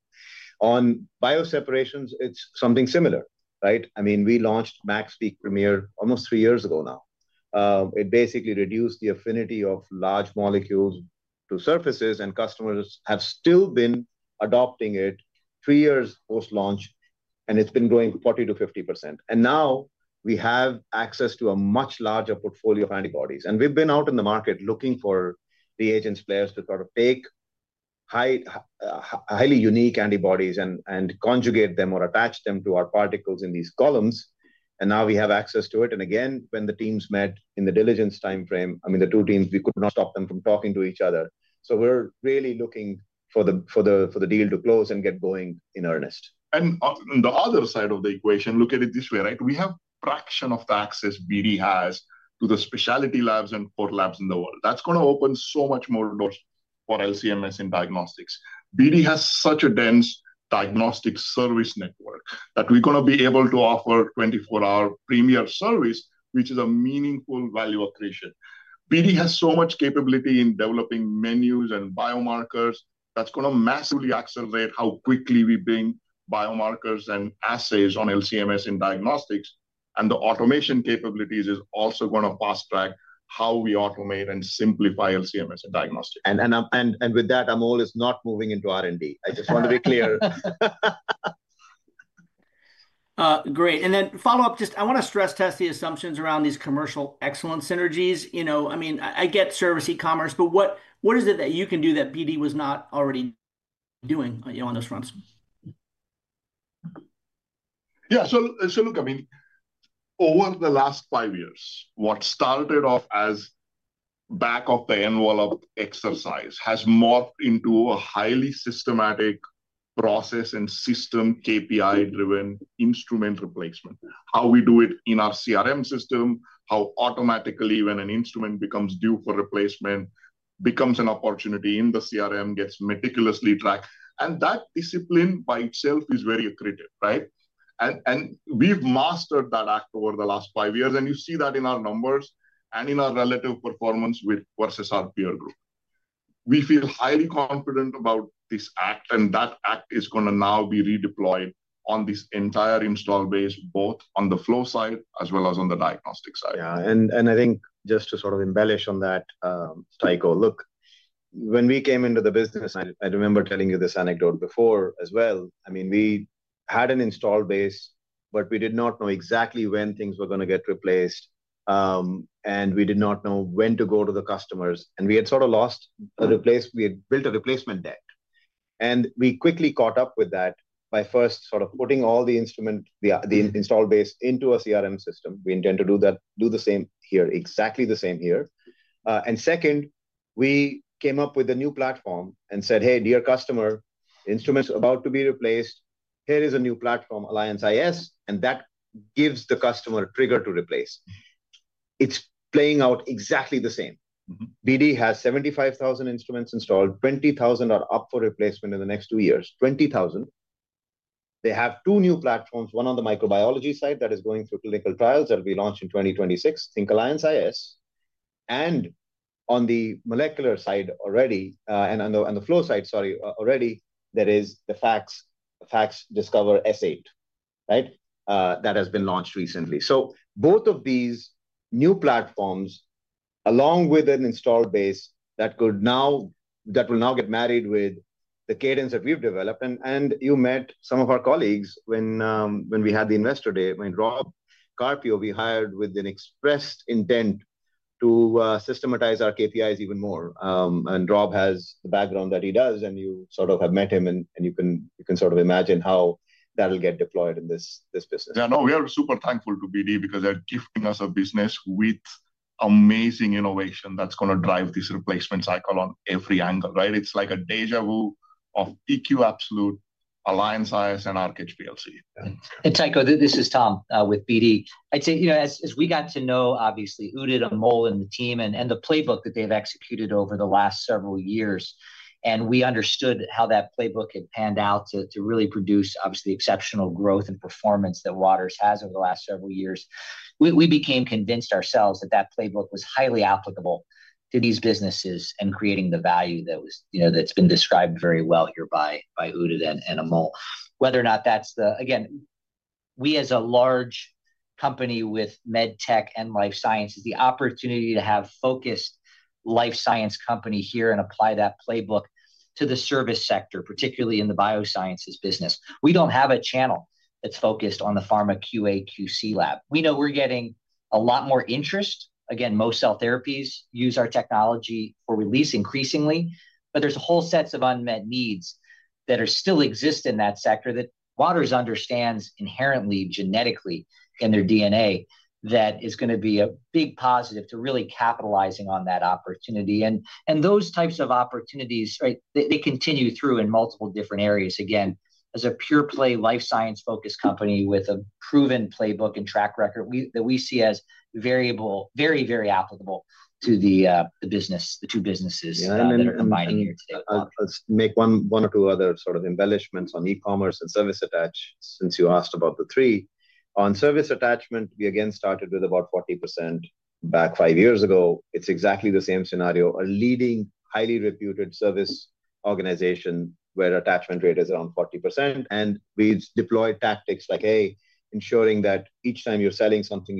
S3: On bioseparations, it is something similar, right? I mean, we launched MaxPeak Premier almost three years ago now. It basically reduced the affinity of large molecules to surfaces, and customers have still been adopting it three years post-launch, and it has been growing 40-50%. Now we have access to a much larger portfolio of antibodies. We have been out in the market looking for reagents players to sort of take highly unique antibodies and conjugate them or attach them to our particles in these columns. Now we have access to it. Again, when the teams met in the diligence timeframe, I mean, the two teams, we could not stop them from talking to each other. We are really looking for the deal to close and get going in earnest.
S5: On the other side of the equation, look at it this way, right? We have a fraction of the access BD has to the specialty labs and port labs in the world. That is going to open so many more doors for LCMS in diagnostics. BD has such a dense diagnostic service network that we are going to be able to offer 24-hour premier service, which is a meaningful value accretion. BD has so much capability in developing menus and biomarkers. That is going to massively accelerate how quickly we bring biomarkers and assays on LCMS in diagnostics. The automation capabilities are also going to fast-track how we automate and simplify LCMS in diagnostics.
S3: With that, Amol is not moving into R&D. I just want to be clear.
S8: Great. Follow-up, just I want to stress test the assumptions around these commercial excellence synergies. I mean, I get service e-commerce, but what is it that you can do that BD was not already doing on those fronts?
S5: Yeah. Look, I mean, over the last five years, what started off as back of the envelope exercise has morphed into a highly systematic process and system KPI-driven instrument replacement. How we do it in our CRM system, how automatically when an instrument becomes due for replacement, becomes an opportunity in the CRM, gets meticulously tracked. That discipline by itself is very accretive, right? We have mastered that act over the last five years. You see that in our numbers and in our relative performance versus our peer group. We feel highly confident about this act, and that act is going to now be redeployed on this entire install base, both on the flow side as well as on the diagnostic side.
S3: Yeah. I think just to sort of embellish on that, Tycho, look, when we came into the business, I remember telling you this anecdote before as well. I mean, we had an install base, but we did not know exactly when things were going to get replaced. We did not know when to go to the customers. We had sort of lost a replacement. We had built a replacement debt. We quickly caught up with that by first sort of putting all the install base into a CRM system. We intend to do the same here, exactly the same here. Second, we came up with a new platform and said, "Hey, dear customer, instruments are about to be replaced. Here is a new platform, Alliance iS," and that gives the customer a trigger to replace. It's playing out exactly the same. BD has 75,000 instruments installed. 20,000 are up for replacement in the next two years. 20,000. They have two new platforms, one on the microbiology side that is going through clinical trials that will be launched in 2026, think Alliance iS. And on the molecular side already, and on the flow side, sorry, already, there is the FACSDiscover S8, right? That has been launched recently. Both of these new platforms, along with an install base that will now get married with the cadence that we've developed. You met some of our colleagues when we had the investor day. I mean, Rob Carpio, we hired with an expressed intent to systematize our KPIs even more. Rob has the background that he does, and you sort of have met him, and you can sort of imagine how that'll get deployed in this business. Yeah. No, we are super thankful to BD because they're gifting us a business with amazing innovation that's going to drive this replacement cycle on every angle, right? It's like a déjà vu of Xevo TQ Absolute, Alliance iS, and ArcHPLC.
S4: Tycho, this is Tom with BD. I'd say, as we got to know, obviously, Udit, Amol, and the team and the playbook that they've executed over the last several years, and we understood how that playbook had panned out to really produce, obviously, exceptional growth and performance that Waters has over the last several years, we became convinced ourselves that that playbook was highly applicable to these businesses and creating the value that's been described very well here by Udit and Amol. Whether or not that's the, again, we as a large company with med tech and life sciences, the opportunity to have a focused life science company here and apply that playbook to the service sector, particularly in the biosciences business. We do not have a channel that's focused on the pharma QA/QC lab. We know we're getting a lot more interest. Again, most cell therapies use our technology for release increasingly, but there's a whole set of unmet needs that still exist in that sector that Waters understands inherently, genetically in their DNA that is going to be a big positive to really capitalizing on that opportunity. Those types of opportunities, right, they continue through in multiple different areas. Again, as a pure-play life science-focused company with a proven playbook and track record that we see as very, very applicable to the two businesses that we're combining here today.
S3: Let's make one or two other sort of embellishments on e-commerce and service attached since you asked about the three. On service attachment, we again started with about 40% back five years ago. It's exactly the same scenario. A leading, highly reputed service organization where attachment rate is around 40%. We've deployed tactics like, hey, ensuring that each time you're selling something,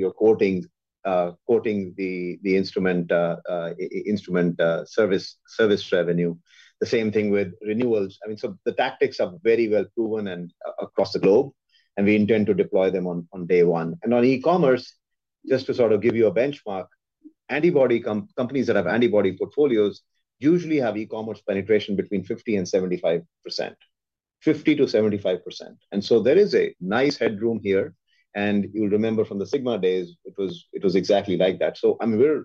S3: you're quoting the instrument. Service revenue. The same thing with renewals. I mean, the tactics are very well proven across the globe, and we intend to deploy them on day one. On e-commerce, just to sort of give you a benchmark, antibody companies that have antibody portfolios usually have e-commerce penetration between 50-75%. 50-75%. There is a nice headroom here. You'll remember from the Sigma days, it was exactly like that. I mean,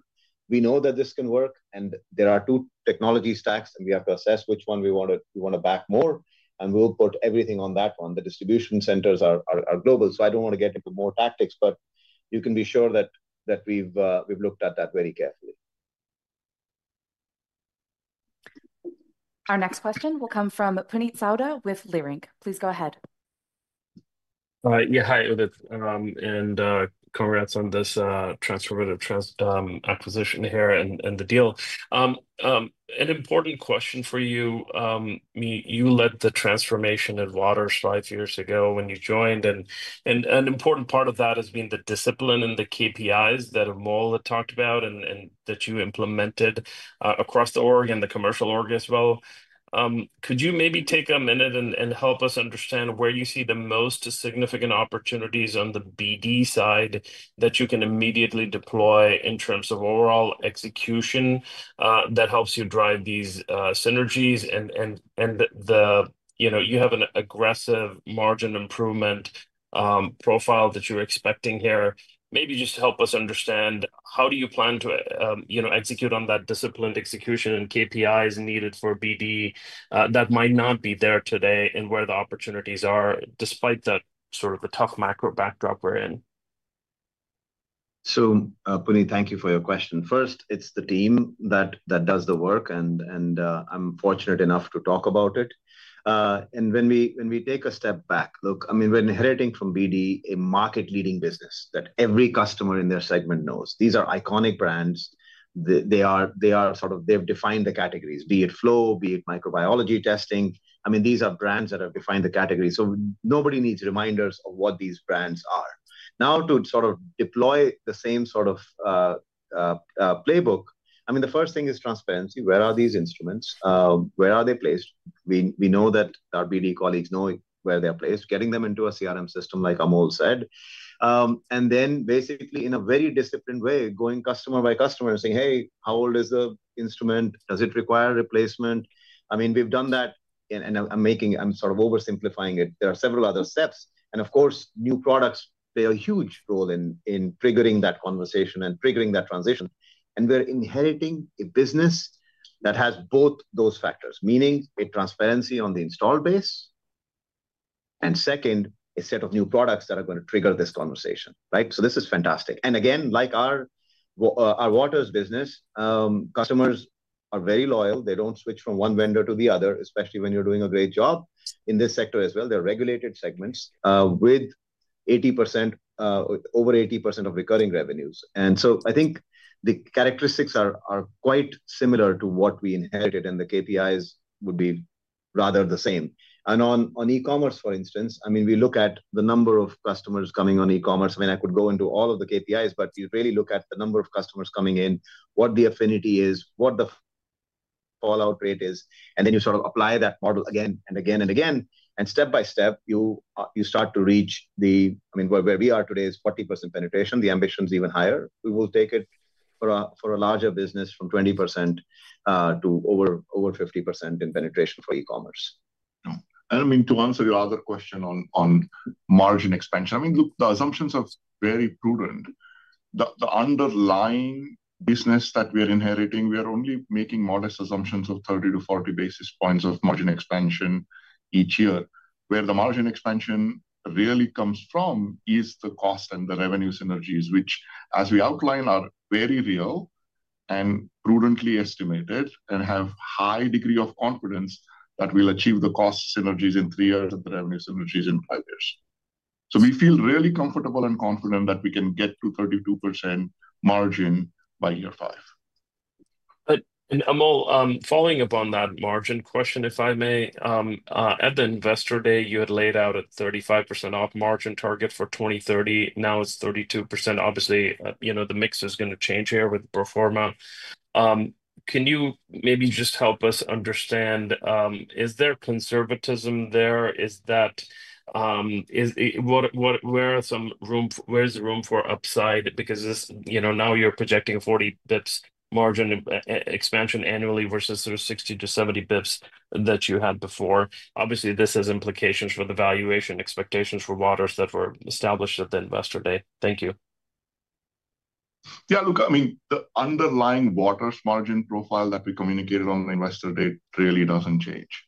S3: we know that this can work, and there are two technology stacks, and we have to assess which one we want to back more. We'll put everything on that one. The distribution centers are global. I don't want to get into more tactics, but you can be sure that we've looked at that very carefully.
S1: Our next question will come from Puneet Sauda with Leerink. Please go ahead. Yeah.
S9: Hi, Udit. And congrats on this transformative acquisition here and the deal. An important question for you. You led the transformation at Waters five years ago when you joined. An important part of that has been the discipline and the KPIs that Amol had talked about and that you implemented across the org and the commercial org as well. Could you maybe take a minute and help us understand where you see the most significant opportunities on the BD side that you can immediately deploy in terms of overall execution that helps you drive these synergies. You have an aggressive margin improvement profile that you're expecting here. Maybe just help us understand how do you plan to execute on that disciplined execution and KPIs needed for BD that might not be there today and where the opportunities are despite sort of the tough macro backdrop we're in.
S3: Puneet, thank you for your question. First, it's the team that does the work, and I'm fortunate enough to talk about it. When we take a step back, look, I mean, we're inheriting from BD a market-leading business that every customer in their segment knows. These are iconic brands. They are sort of, they've defined the categories, be it Flow, be it microbiology testing. I mean, these are brands that have defined the categories. Nobody needs reminders of what these brands are. Now, to sort of deploy the same sort of playbook, I mean, the first thing is transparency. Where are these instruments? Where are they placed? We know that our BD colleagues know where they're placed, getting them into a CRM system, like Amol said. Then basically, in a very disciplined way, going customer by customer and saying, "Hey, how old is the instrument? Does it require replacement?" I mean, we've done that, and I'm sort of oversimplifying it. There are several other steps. Of course, new products play a huge role in triggering that conversation and triggering that transition. We're inheriting a business that has both those factors, meaning a transparency on the install base. Second, a set of new products that are going to trigger this conversation, right? This is fantastic. Again, like our Waters business, customers are very loyal. They don't switch from one vendor to the other, especially when you're doing a great job. In this sector as well, there are regulated segments with over 80% of recurring revenues. I think the characteristics are quite similar to what we inherited, and the KPIs would be rather the same. On e-commerce, for instance, I mean, we look at the number of customers coming on e-commerce. I mean, I could go into all of the KPIs, but you really look at the number of customers coming in, what the affinity is, what the. Fallout rate is, and then you sort of apply that model again and again and again. Step by step, you start to reach the, I mean, where we are today is 40% penetration. The ambition is even higher. We will take it for a larger business from 20% to over 50% in penetration for e-commerce.
S5: I mean, to answer your other question on margin expansion, I mean, look, the assumptions are very prudent. The underlying business that we are inheriting, we are only making modest assumptions of 30-40 basis points of margin expansion each year. Where the margin expansion really comes from is the cost and the revenue synergies, which, as we outline, are very real and prudently estimated and have a high degree of confidence that we'll achieve the cost synergies in three years and the revenue synergies in five years. We feel really comfortable and confident that we can get to 32% margin by year five.
S9: Amol, following up on that margin question, if I may. At the investor day, you had laid out a 35% margin target for 2030. Now it's 32%. Obviously, the mix is going to change here with the pro forma. Can you maybe just help us understand. Is there conservatism there? Where is some room for upside? Because now you're projecting a 40 basis points margin expansion annually versus sort of 60 to 70 basis points that you had before. Obviously, this has implications for the valuation expectations for Waters that were established at the investor day. Thank you.
S5: Yeah. Look, I mean, the underlying Waters margin profile that we communicated on the investor day really doesn't change.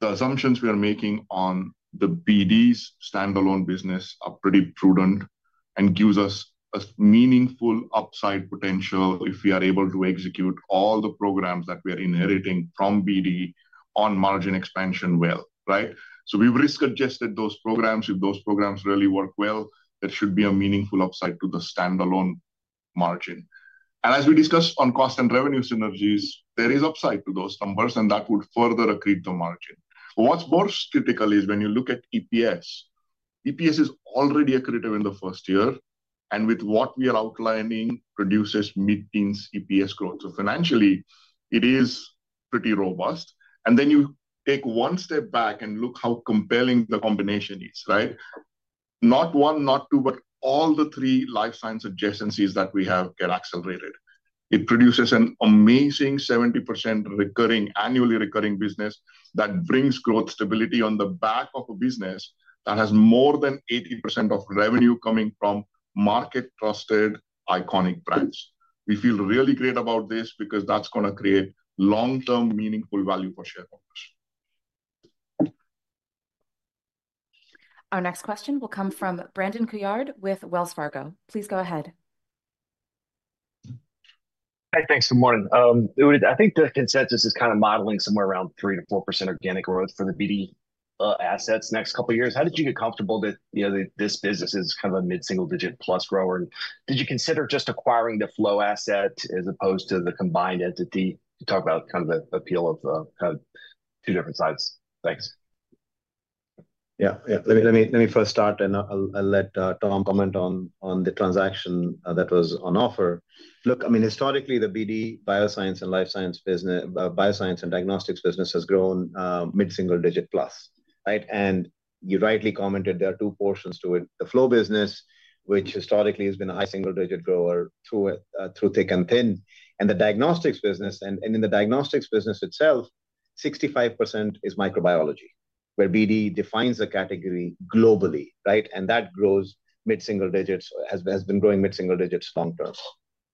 S5: The assumptions we are making on the BD's standalone business are pretty prudent and give us a meaningful upside potential if we are able to execute all the programs that we are inheriting from BD on margin expansion well, right? We have risk-adjusted those programs. If those programs really work well, there should be a meaningful upside to the standalone margin. As we discussed on cost and revenue synergies, there is upside to those numbers, and that would further accrete the margin. What is more critical is when you look at EPS. EPS is already accretive in the first year, and with what we are outlining, it produces mid-teens EPS growth. Financially, it is pretty robust. You take one step back and look how compelling the combination is, right? Not one, not two, but all the three life science adjacencies that we have get accelerated. It produces an amazing 70% recurring, annually recurring business that brings growth stability on the back of a business that has more than 80% of revenue coming from market-trusted iconic brands. We feel really great about this because that's going to create long-term meaningful value for shareholders.
S1: Our next question will come from Brandon Couillard with Wells Fargo. Please go ahead.
S10: Hi. Thanks. Good morning. I think the consensus is kind of modeling somewhere around 3-4% organic growth for the BD assets next couple of years. How did you get comfortable that this business is kind of a mid-single-digit plus grower? And did you consider just acquiring the Flow asset as opposed to the combined entity? You talk about kind of the appeal of. Two different sides. Thanks.
S3: Yeah. Let me first start, and I'll let Tom comment on the transaction that was on offer. Look, I mean, historically, the BD Biosciences and Life Sciences and Diagnostics business has grown mid-single-digit plus, right? You rightly commented there are two portions to it. The Flow business, which historically has been a high single-digit grower through thick and thin. The Diagnostics business, and in the Diagnostics business itself, 65% is microbiology, where BD defines a category globally, right? That grows mid-single digits, has been growing mid-single digits long-term.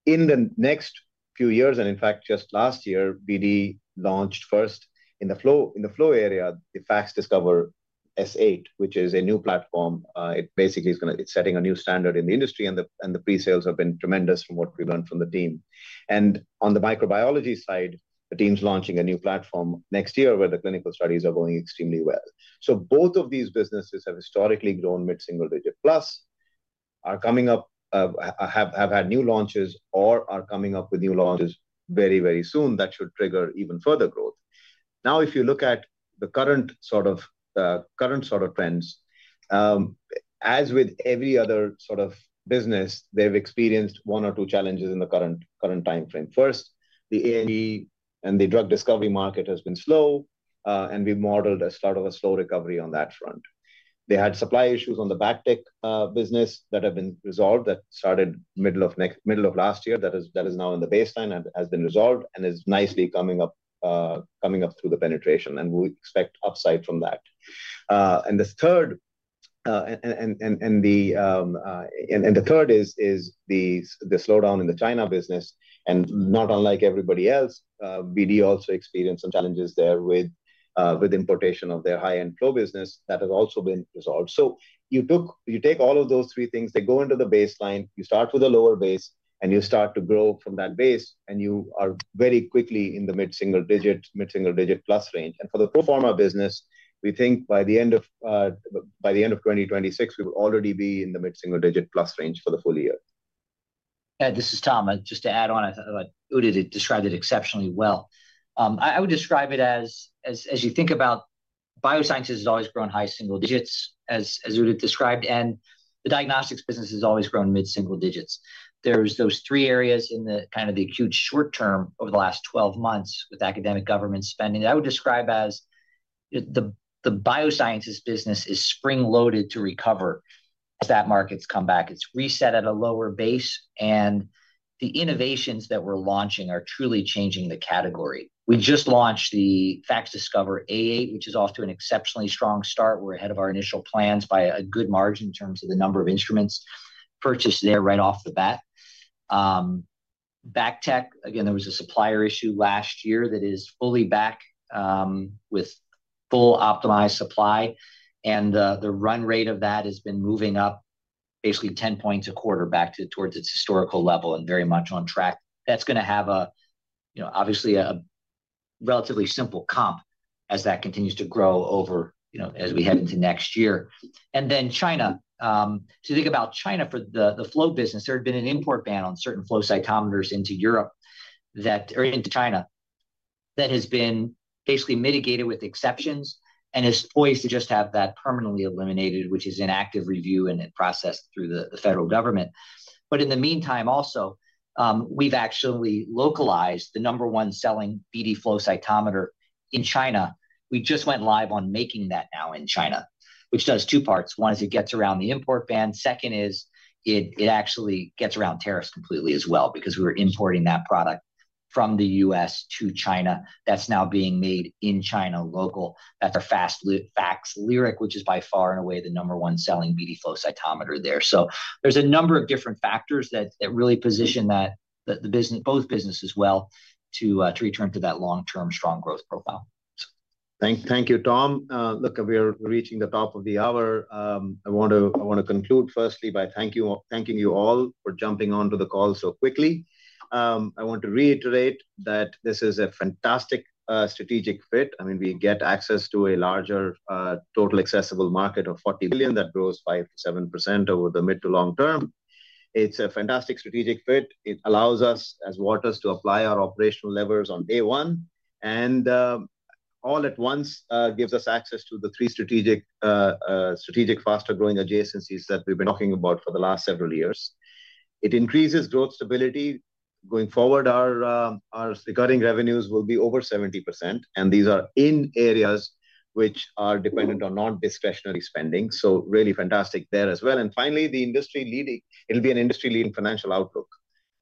S3: In the next few years, in fact, just last year, BD launched first in the Flow area, the FACSDiscover S8, which is a new platform. It basically is going to, it's setting a new standard in the industry, and the pre-sales have been tremendous from what we learned from the team. On the microbiology side, the team's launching a new platform next year where the clinical studies are going extremely well. Both of these businesses have historically grown mid-single-digit plus, are coming up. Have had new launches, or are coming up with new launches very, very soon that should trigger even further growth. If you look at the current sort of trends, as with every other sort of business, they've experienced one or two challenges in the current timeframe. First, the A&E and the drug discovery market has been slow, and we modeled a sort of a slow recovery on that front. They had supply issues on the BACTEC business that have been resolved, that started middle of last year, that is now in the baseline and has been resolved and is nicely coming up through the penetration, and we expect upside from that. The third is the slowdown in the China business. Not unlike everybody else, BD also experienced some challenges there with importation of their high-end Flow business that has also been resolved. You take all of those three things, they go into the baseline, you start with a lower base, and you start to grow from that base, and you are very quickly in the mid-single-digit, mid-single-digit plus range. For the pro forma business, we think by the end of 2026, we will already be in the mid-single-digit plus range for the full year.
S4: Yeah. This is Tom. Just to add on, I thought Udit described it exceptionally well. I would describe it as, you think about, Biosciences has always grown high single digits, as Udit described, and the diagnostics business has always grown mid-single digits. There's those three areas in kind of the acute short term over the last 12 months with academic government spending that I would describe as. The Biosciences business is spring-loaded to recover as that market's come back. It's reset at a lower base, and the innovations that we're launching are truly changing the category. We just launched the FACSDiscover A8, which is off to an exceptionally strong start. We're ahead of our initial plans by a good margin in terms of the number of instruments purchased there right off the bat. BACTEC, again, there was a supplier issue last year that is fully back. With full optimized supply. And the run rate of that has been moving up basically 10 points a quarter back towards its historical level and very much on track. That's going to have. Obviously a relatively simple comp as that continues to grow as we head into next year. China. To think about China for the Flow business, there had been an import ban on certain flow cytometers into China that has been basically mitigated with exceptions and is poised to just have that permanently eliminated, which is in active review and in process through the federal government. In the meantime, also, we've actually localized the number one selling BD flow cytometer in China. We just went live on making that now in China, which does two parts. One is it gets around the import ban. Second is it actually gets around tariffs completely as well because we were importing that product from the US to China. That's now being made in China local. That's our FACSDiscover S8, which is by far and away the number one selling BD flow cytometer there. There are a number of different factors that really position both businesses well to return to that long-term strong growth profile.
S3: Thank you, Tom. Look, we're reaching the top of the hour. I want to conclude firstly by thanking you all for jumping onto the call so quickly. I want to reiterate that this is a fantastic strategic fit. I mean, we get access to a larger total accessible market of $40 billion that grows 5%-7% over the mid to long term. It's a fantastic strategic fit. It allows us as Waters to apply our operational levers on day one, and all at once gives us access to the three strategic faster growing adjacencies that we've been talking about for the last several years. It increases growth stability. Going forward, our recurring revenues will be over 70%, and these are in areas which are dependent on non-discretionary spending. Really fantastic there as well. Finally, the industry-leading, it'll be an industry-leading financial outlook,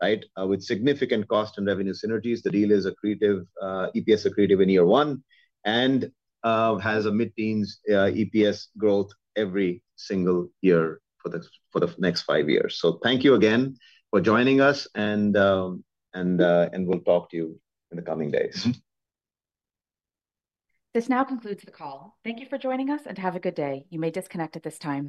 S3: right? With significant cost and revenue synergies, the deal is EPS accretive in year one and has a mid-teens EPS growth every single year for the next five years. Thank you again for joining us. We'll talk to you in the coming days. This now concludes the call. Thank you for joining us and have a good day. You may disconnect at this time.